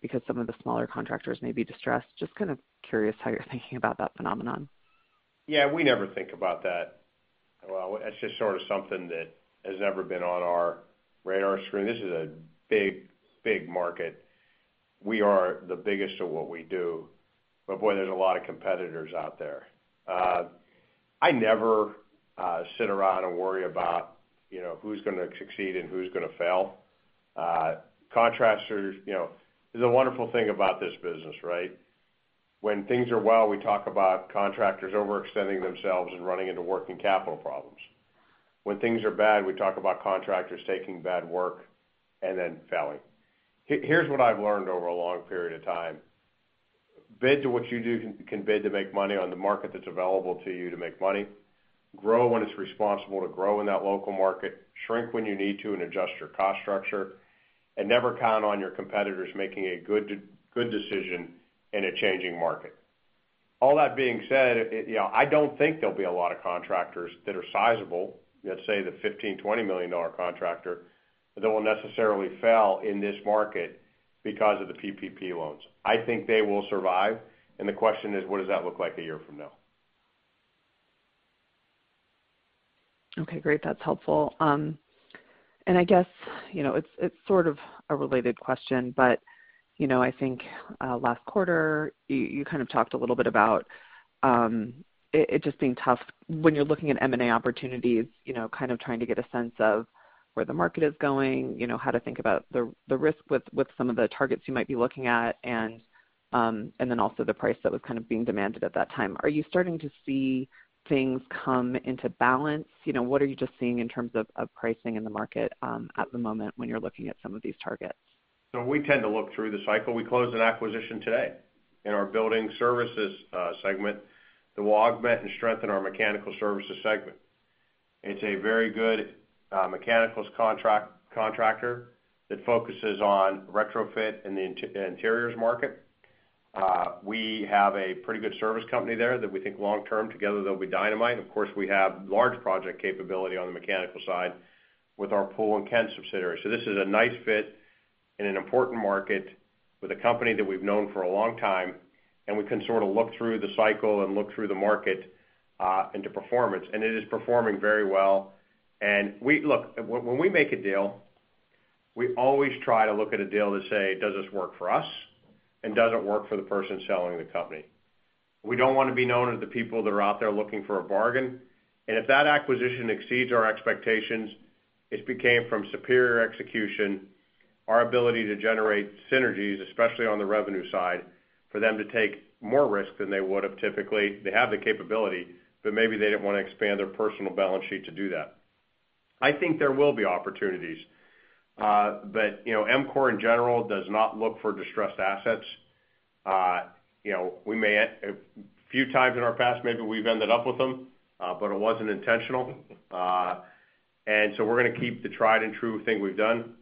because some of the smaller contractors may be distressed. Just kind of curious how you're thinking about that phenomenon. Yeah, we never think about that. Well, that's just sort of something that has never been on our radar screen. This is a big market. We are the biggest at what we do, but boy, there's a lot of competitors out there. I never sit around and worry about who's going to succeed and who's going to fail. There's a wonderful thing about this business, right? When things are well, we talk about contractors overextending themselves and running into working capital problems. When things are bad, we talk about contractors taking bad work and then failing. Here's what I've learned over a long period of time. Bid to what you can bid to make money on the market that's available to you to make money. Grow when it's responsible to grow in that local market. Shrink when you need to, and adjust your cost structure. Never count on your competitors making a good decision in a changing market. All that being said, I don't think there'll be a lot of contractors that are sizable, let's say the $15 million, $20 million contractor, that will necessarily fail in this market because of the PPP loans. I think they will survive, and the question is, what does that look like a year from now? Okay, great. That's helpful. I guess it's sort of a related question, but I think last quarter you kind of talked a little bit about it just being tough when you're looking at M&A opportunities, kind of trying to get a sense of where the market is going, how to think about the risk with some of the targets you might be looking at, and then also the price that was kind of being demanded at that time. Are you starting to see things come into balance? What are you just seeing in terms of pricing in the market at the moment when you're looking at some of these targets? We tend to look through the cycle. We closed an acquisition today in our Building Services segment, that will augment and strengthen our mechanical services segment. It's a very good mechanicals contractor that focuses on retrofit in the interiors market. We have a pretty good service company there that we think long-term together they'll be dynamite. Of course, we have large project capability on the mechanical side with our Poole & Kent subsidiary. This is a nice fit in an important market with a company that we've known for a long time, and we can sort of look through the cycle and look through the market into performance, and it is performing very well. Look, when we make a deal, we always try to look at a deal to say, does this work for us, and does it work for the person selling the company? We don't want to be known as the people that are out there looking for a bargain. If that acquisition exceeds our expectations, it became from superior execution our ability to generate synergies, especially on the revenue side, for them to take more risks than they would've typically. They have the capability, but maybe they didn't want to expand their personal balance sheet to do that. I think there will be opportunities. EMCOR in general does not look for distressed assets. A few times in our past maybe we've ended up with them, but it wasn't intentional. We're going to keep the tried and true thing we've done,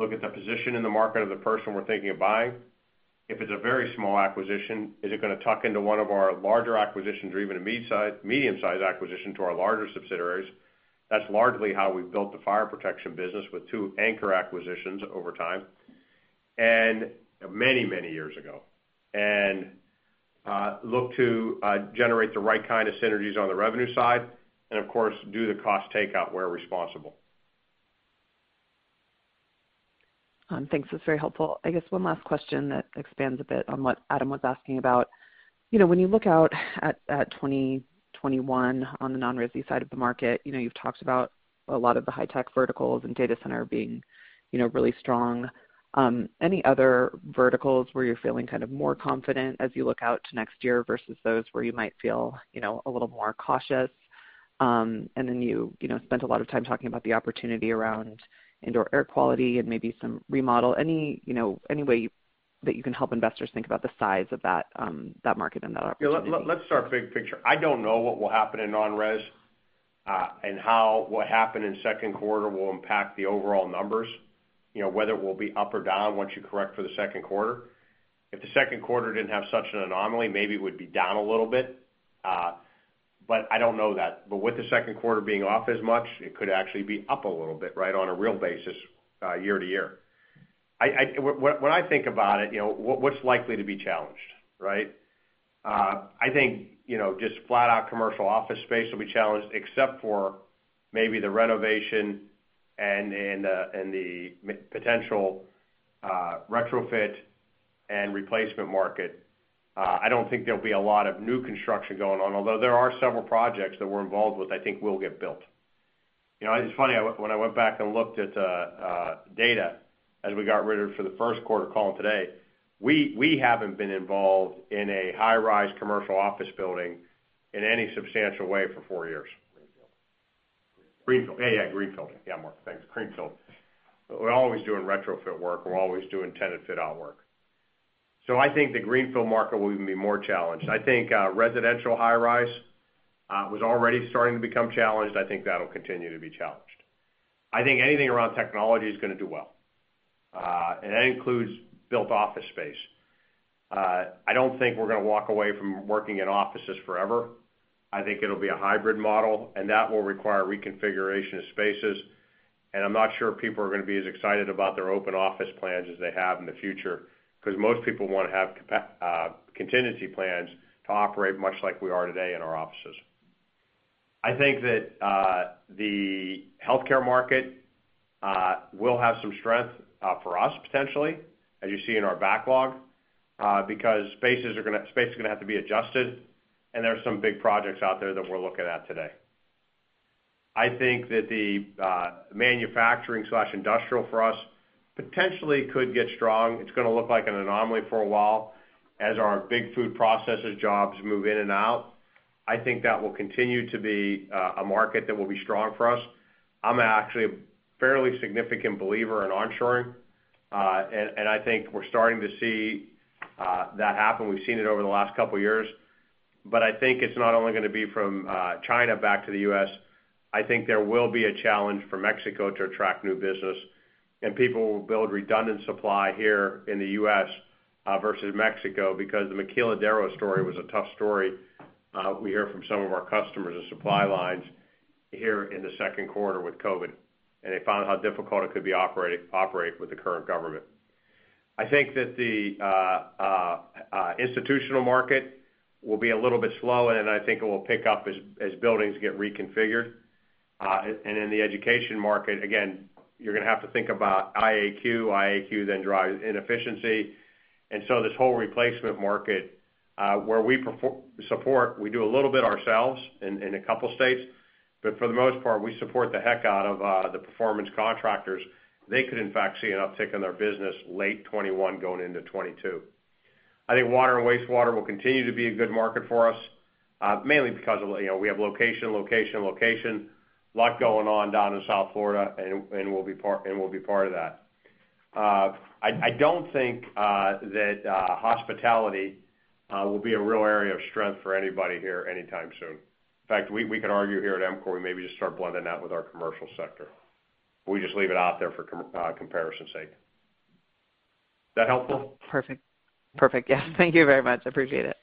look at the position in the market of the person we're thinking of buying. If it's a very small acquisition, is it going to tuck into one of our larger acquisitions or even a medium-sized acquisition to our larger subsidiaries? That's largely how we've built the fire protection business with two anchor acquisitions over time, and many years ago. Look to generate the right kind of synergies on the revenue side, and of course, do the cost takeout where responsible. Thanks. That's very helpful. I guess one last question that expands a bit on what Adam was asking about. When you look out at 2021 on the non-resi side of the market, you've talked about a lot of the high-tech verticals and data center being really strong. Any other verticals where you're feeling more confident as you look out to next year versus those where you might feel a little more cautious? You spent a lot of time talking about the opportunity around indoor air quality and maybe some remodel. Any way that you can help investors think about the size of that market and that opportunity? Let's start big picture. I don't know what will happen in non-res, and how what happened in second quarter will impact the overall numbers, whether it will be up or down once you correct for the second quarter. If the second quarter didn't have such an anomaly, maybe it would be down a little bit. I don't know that. With the second quarter being off as much, it could actually be up a little bit on a real basis year-to-year. When I think about it, what's likely to be challenged, right? I think just flat-out commercial office space will be challenged except for maybe the renovation and the potential retrofit and replacement market. I don't think there'll be a lot of new construction going on, although there are several projects that we're involved with I think will get built. It's funny, when I went back and looked at data as we got ready for the first quarter call today, we haven't been involved in a high-rise commercial office building in any substantial way for four years. Greenfield. Greenfield. Yeah, Mark. Thanks. Greenfield. We're always doing retrofit work. We're always doing tenant fit-out work. I think the greenfield market will even be more challenged. I think residential high rise was already starting to become challenged. I think that'll continue to be challenged. I think anything around technology is going to do well. That includes built office space. I don't think we're going to walk away from working in offices forever. I think it'll be a hybrid model, and that will require reconfiguration of spaces. I'm not sure if people are going to be as excited about their open office plans as they have in the future, because most people want to have contingency plans to operate much like we are today in our offices. I think that the healthcare market will have some strength for us, potentially, as you see in our backlog, because spaces are going to have to be adjusted, and there's some big projects out there that we're looking at today. I think that the manufacturing/industrial for us potentially could get strong. It's going to look like an anomaly for a while as our big food processes jobs move in and out. I think that will continue to be a market that will be strong for us. I'm actually a fairly significant believer in onshoring. I think we're starting to see that happen. We've seen it over the last couple of years. I think it's not only going to be from China back to the U.S., I think there will be a challenge for Mexico to attract new business, and people will build redundant supply here in the U.S. versus Mexico because the maquiladora story was a tough story we hear from some of our customers and supply lines here in the second quarter with COVID, and they found how difficult it could be operating with the current government. I think that the institutional market will be a little bit slow, and I think it will pick up as buildings get reconfigured. In the education market, again, you're going to have to think about IAQ. IAQ then drives inefficiency. This whole replacement market, where we support, we do a little bit ourselves in a couple of states, but for the most part, we support the heck out of the performance contractors. They could in fact see an uptick in their business late 2021 going into 2022. I think water and wastewater will continue to be a good market for us, mainly because we have location. A lot going on down in South Florida, and we'll be part of that. I don't think that hospitality will be a real area of strength for anybody here anytime soon. In fact, we could argue here at EMCOR maybe just start blending that with our commercial sector. We just leave it out there for comparison's sake. That helpful? Perfect. Yeah. Thank you very much. Appreciate it.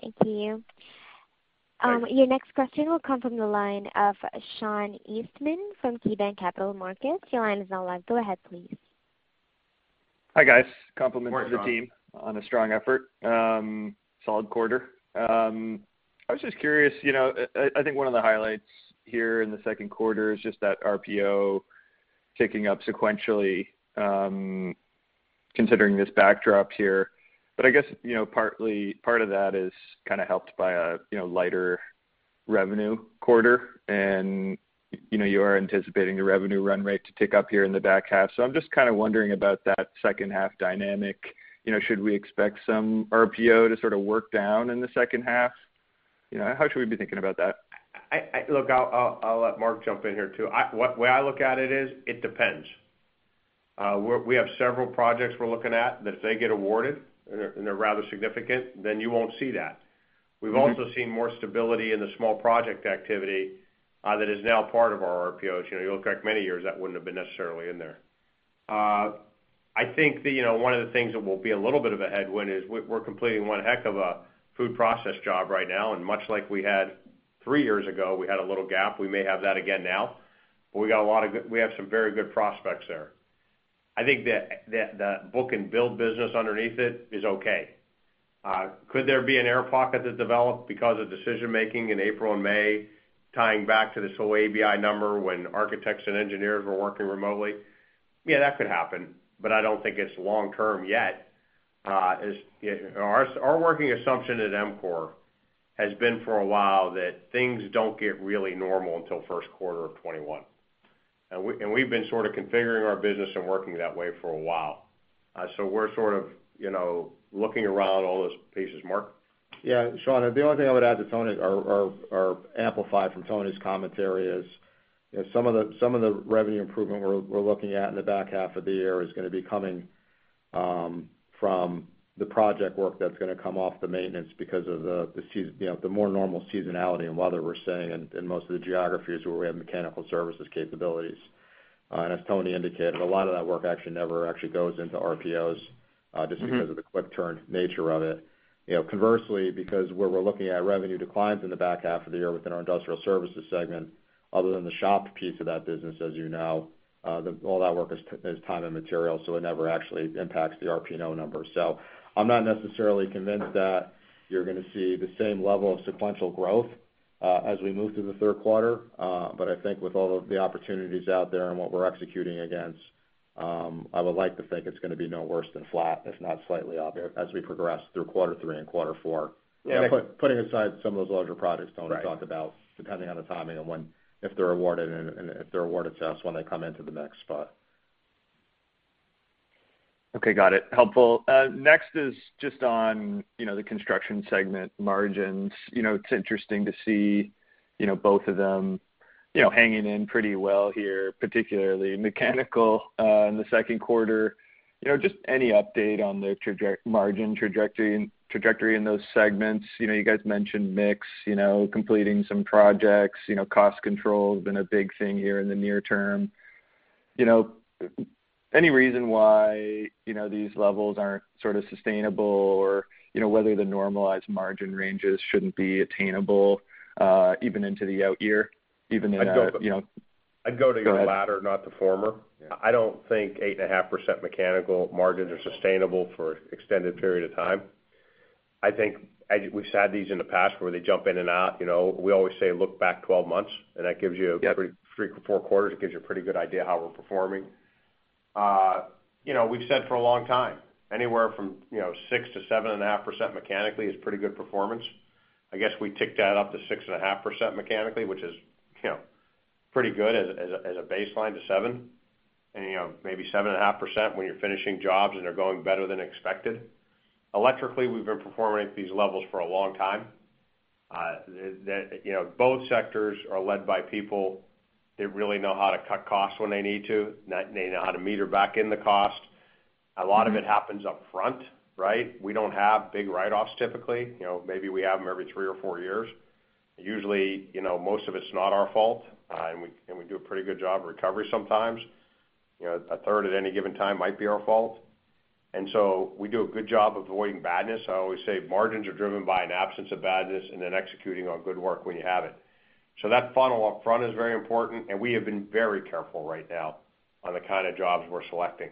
Thank you. Your next question will come from the line of Sean Eastman from KeyBanc Capital Markets. Your line is now live. Go ahead, please. Hi, guys. Morning, Sean. Compliments to the team on a strong effort. Solid quarter. I was just curious, I think one of the highlights here in the second quarter is just that RPO ticking up sequentially, considering this backdrop here. I guess part of that is kind of helped by a lighter revenue quarter, and you are anticipating the revenue run rate to tick up here in the back half. I'm just kind of wondering about that second half dynamic. Should we expect some RPO to sort of work down in the second half? How should we be thinking about that? Look, I'll let Mark jump in here, too. The way I look at it is, it depends. We have several projects we're looking at that if they get awarded, and they're rather significant, then you won't see that. We've also seen more stability in the small project activity that is now part of our RPOs. You look back many years, that wouldn't have been necessarily in there. I think that one of the things that will be a little bit of a headwind is we're completing one heck of a food process job right now, and much like we had three years ago, we had a little gap. We may have that again now, but we have some very good prospects there. I think the book and build business underneath it is okay. Could there be an air pocket that developed because of decision-making in April and May, tying back to the slow ABI number when architects and engineers were working remotely? Yeah, that could happen, but I don't think it's long term yet. Our working assumption at EMCOR has been for a while that things don't get really normal until first quarter of 2021. We've been sort of configuring our business and working that way for a while. We're sort of looking around all those pieces. Mark? Yeah, Sean, the only thing I would add to Tony, or amplify from Tony's commentary is, some of the revenue improvement we're looking at in the back half of the year is going to be coming from the project work that's going to come off the maintenance because of the more normal seasonality and weather we're seeing in most of the geographies where we have mechanical services capabilities. As Tony indicated, a lot of that work actually never actually goes into RPOs just because of the quick turn nature of it. Conversely, because where we're looking at revenue declines in the back half of the year within our EMCOR Industrial Services segment, other than the shop piece of that business, as you know, all that work is time and material, so it never actually impacts the RPO number. I'm not necessarily convinced that you're going to see the same level of sequential growth, as we move through the third quarter. I think with all of the opportunities out there and what we're executing against, I would like to think it's going to be no worse than flat, if not slightly up as we progress through quarter three and quarter four. Yeah. Putting aside some of those larger projects Tony talked about. Right depending on the timing of when, if they're awarded, and if they're awarded to us, when they come into the mix. Okay, got it. Helpful. Next is just on the Construction segment margins. It is interesting to see both of them hanging in pretty well here, particularly Mechanical in the second quarter. Just any update on the margin trajectory in those segments. You guys mentioned mix, completing some projects, cost control has been a big thing here in the near term. Any reason why these levels aren't sort of sustainable or whether the normalized margin ranges shouldn't be attainable, even into the out year. I'd go- Go ahead. the latter, not the former. I don't think 8.5% Mechanical margins are sustainable for extended period of time. I think we've said these in the past where they jump in and out. We always say look back 12 months, that gives you-three, four quarters, it gives you a pretty good idea how we're performing. We've said for a long time, anywhere from 6%-7.5% mechanically is pretty good performance. I guess we ticked that up to 6.5% mechanically, which is pretty good as a baseline to 7%. Maybe 7.5% when you're finishing jobs and they're going better than expected. Electrically, we've been performing at these levels for a long time. Both sectors are led by people that really know how to cut costs when they need to. They know how to meter back in the cost. A lot of it happens up front, right? We don't have big write-offs, typically. Maybe we have them every three or four years. Usually, most of it's not our fault, and we do a pretty good job of recovery sometimes. A third at any given time might be our fault. We do a good job of avoiding badness. I always say margins are driven by an absence of badness and then executing on good work when you have it. That funnel up front is very important, and we have been very careful right now on the kind of jobs we're selecting.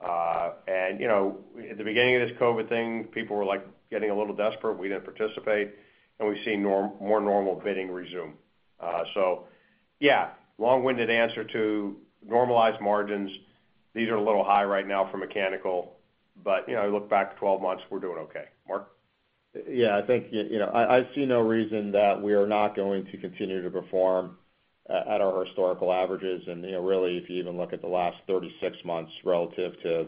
At the beginning of this COVID-19 thing, people were getting a little desperate. We didn't participate, and we've seen more normal bidding resume. Yeah, long-winded answer to normalized margins. These are a little high right now for Mechanical, but you look back 12 months, we're doing okay. Mark? I see no reason that we are not going to continue to perform at our historical averages, really, if you even look at the last 36 months relative to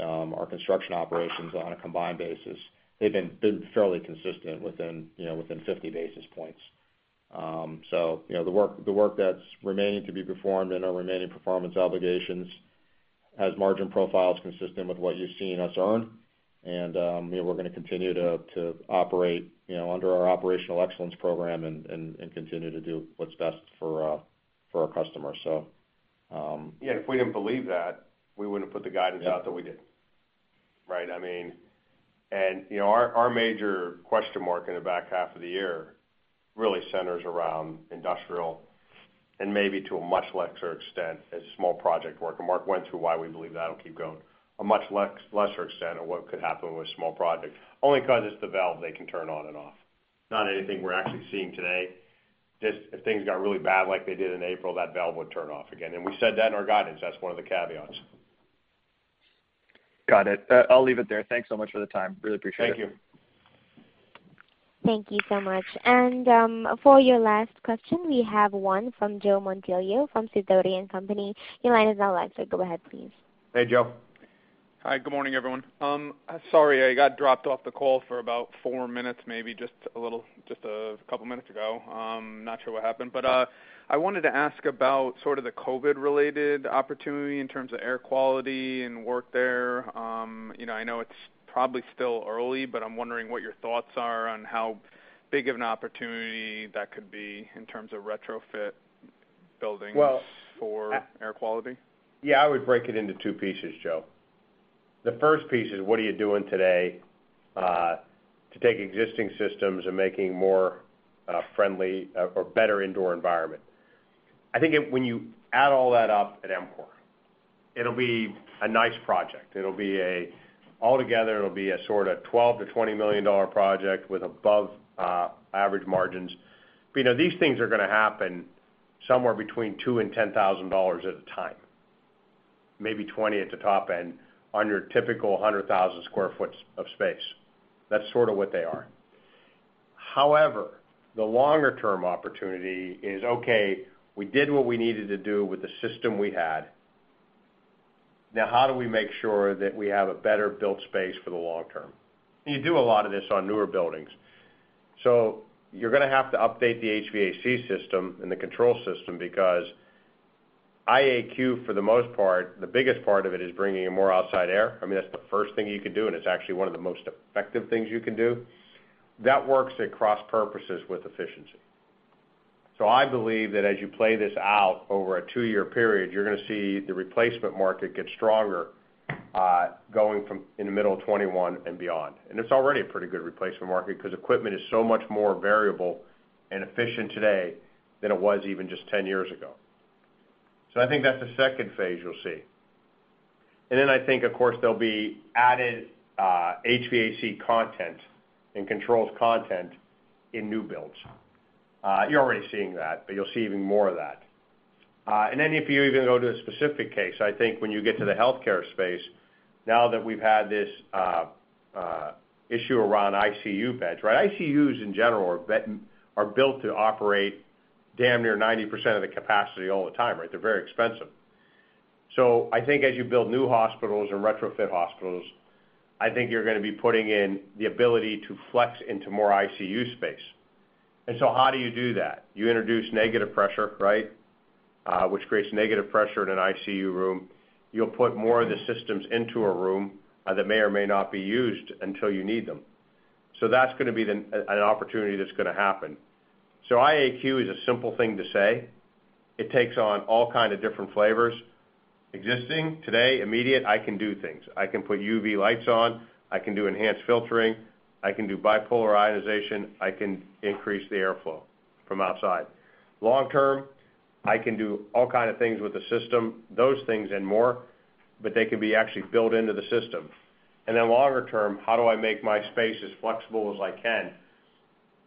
our construction operations on a combined basis, they've been fairly consistent within 50 basis points. The work that's remaining to be performed and our remaining performance obligations has margin profiles consistent with what you're seeing us earn. We're going to continue to operate under our operational excellence program and continue to do what's best for our customers. Yeah, if we didn't believe that, we wouldn't put the guidance out that we did. Yeah. Right? Our major question mark in the back half of the year really centers around industrial and maybe to a much lesser extent, small project work. Mark went through why we believe that'll keep going. A much lesser extent of what could happen with small projects. Only because it's the valve they can turn on and off. Not anything we're actually seeing today. Just if things got really bad like they did in April, that valve would turn off again. We said that in our guidance. That's one of the caveats. Got it. I'll leave it there. Thanks so much for the time. Really appreciate it. Thank you. Thank you so much. For your last question, we have one from Joe Mondillo from Sidoti & Company. Your line is now unmuted. Go ahead, please. Hey, Joe. Hi, good morning, everyone. Sorry, I got dropped off the call for about four minutes maybe, just a couple of minutes ago. I'm not sure what happened. I wanted to ask about sort of the COVID-related opportunity in terms of air quality and work there. I know it's probably still early, I'm wondering what your thoughts are on how big of an opportunity that could be in terms of retrofit buildings for air quality. Yeah, I would break it into two pieces, Joe. The first piece is what are you doing today, to take existing systems and making more friendly or better indoor environment. I think when you add all that up at EMCOR, it'll be a nice project. Altogether, it'll be a sort of $12 million-$20 million project with above average margins. These things are going to happen somewhere between $2,000 and $10,000 at a time, maybe 20 at the top end, on your typical 100,000 sq ft of space. That's sort of what they are. The longer-term opportunity is, okay, we did what we needed to do with the system we had. How do we make sure that we have a better built space for the long term? You do a lot of this on newer buildings. You're going to have to update the HVAC system and the control system because IAQ, for the most part, the biggest part of it is bringing in more outside air. I mean, that's the first thing you can do, and it's actually one of the most effective things you can do. That works at cross purposes with efficiency. I believe that as you play this out over a two-year period, you're going to see the replacement market get stronger, going from in the middle of 2021 and beyond. It's already a pretty good replacement market because equipment is so much more variable and efficient today than it was even just 10 years ago. I think that's the phase II you'll see. Then I think, of course, there'll be added HVAC content and controls content in new builds. You're already seeing that, but you'll see even more of that. If you even go to a specific case, I think when you get to the healthcare space, now that we've had this issue around ICU beds, right? ICUs in general are built to operate damn near 90% of the capacity all the time, right? They're very expensive. I think as you build new hospitals or retrofit hospitals, I think you're going to be putting in the ability to flex into more ICU space. How do you do that? You introduce negative pressure, right? Which creates negative pressure in an ICU room. You'll put more of the systems into a room that may or may not be used until you need them. That's going to be an opportunity that's going to happen. IAQ is a simple thing to say. It takes on all kind of different flavors. Existing, today, immediate, I can do things. I can put UV lights on, I can do enhanced filtering, I can do bipolar ionization, I can increase the airflow from outside. Long term, I can do all kind of things with the system, those things and more, but they can be actually built into the system. Longer term, how do I make my space as flexible as I can,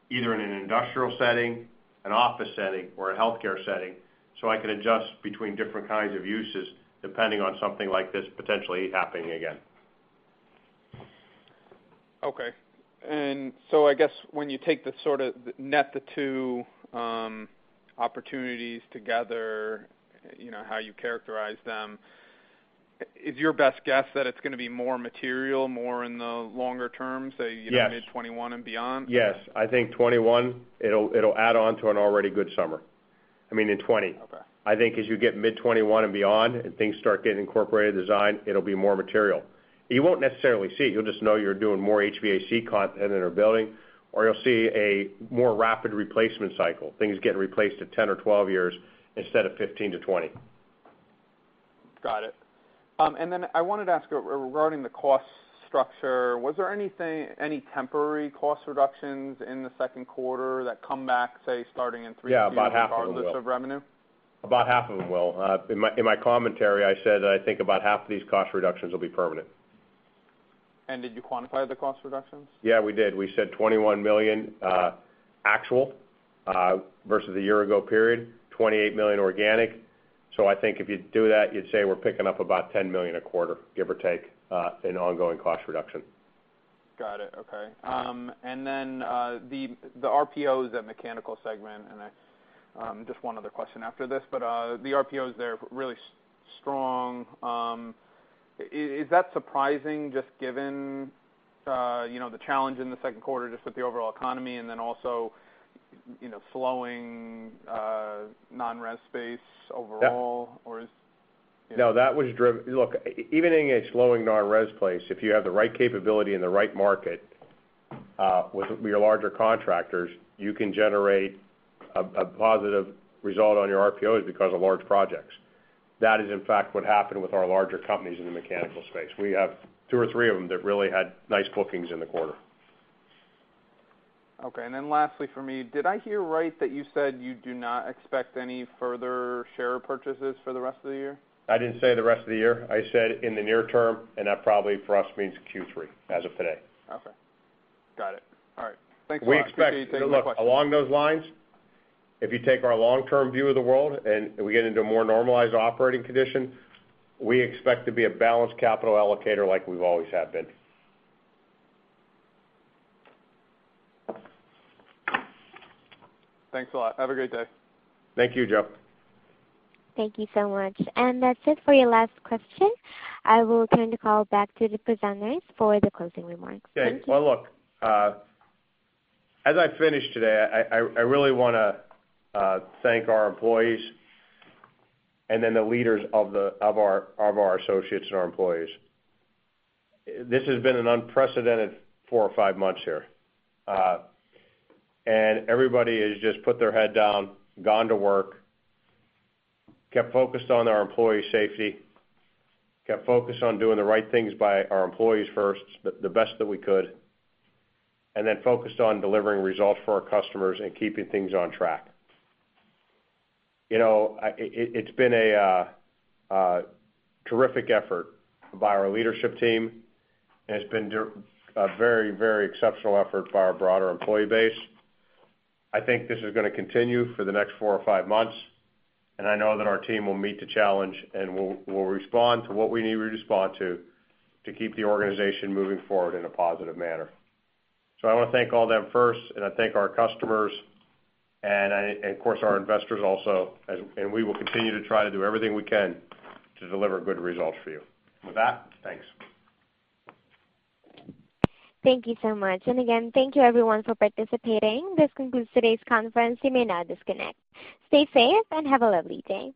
either in an industrial setting, an office setting, or a healthcare setting, so I can adjust between different kinds of uses depending on something like this potentially happening again. Okay. I guess when you take the sort of net the two opportunities together, how you characterize them, is your best guess that it's going to be more material more in the longer term, say. Yes mid 2021 and beyond? Yes. I think 2021, it'll add on to an already good summer, I mean in 2020. Okay. I think as you get mid 2021 and beyond, and things start getting incorporated, designed, it'll be more material. You won't necessarily see it. You'll just know you're doing more HVAC content in a building, or you'll see a more rapid replacement cycle. Things getting replaced at 10 or 12 years instead of 15-20 years. Got it. Then I wanted to ask regarding the cost structure, was there any temporary cost reductions in the second quarter that come back, say, starting in Q3? Yeah, about half of them will. regardless of revenue? About half of them will. In my commentary, I said that I think about half of these cost reductions will be permanent. Did you quantify the cost reductions? Yeah, we did. We said $21 million actual, versus the year ago period, $28 million organic. I think if you do that, you'd say we're picking up about $10 million a quarter, give or take, in ongoing cost reduction. Got it. Okay. Then, the RPOs at Mechanical segment, just one other question after this, but the RPOs there, really strong. Is that surprising just given the challenge in the second quarter just with the overall economy then also slowing non-res space overall? No, look, even in a slowing non-res place, if you have the right capability and the right market, with your larger contractors, you can generate a positive result on your RPOs because of large projects. That is, in fact, what happened with our larger companies in the mechanical space. We have two or three of them that really had nice bookings in the quarter. Okay. Lastly for me, did I hear right that you said you do not expect any further share purchases for the rest of the year? I didn't say the rest of the year. I said in the near term, and that probably for us means Q3 as of today. Okay. Got it. All right. Thanks a lot. Along those lines, if you take our long-term view of the world and we get into a more normalized operating condition, we expect to be a balanced capital allocator like we always have been. Thanks a lot. Have a great day. Thank you, Joe. Thank you so much. That's it for your last question. I will turn the call back to the presenters for the closing remarks. Thank you. Okay. Well, look, as I finish today, I really want to thank our employees and then the leaders of our associates and our employees. This has been an unprecedented four or five months here. Everybody has just put their head down, gone to work, kept focused on our employee safety, kept focused on doing the right things by our employees first the best that we could, and then focused on delivering results for our customers and keeping things on track. It's been a terrific effort by our leadership team, and it's been a very exceptional effort by our broader employee base. I think this is going to continue for the next four or five months, and I know that our team will meet the challenge and will respond to what we need to respond to keep the organization moving forward in a positive manner. I want to thank all them first, and I thank our customers and of course, our investors also. We will continue to try to do everything we can to deliver good results for you. With that, thanks. Thank you so much. Again, thank you everyone for participating. This concludes today's conference. You may now disconnect. Stay safe and have a lovely day.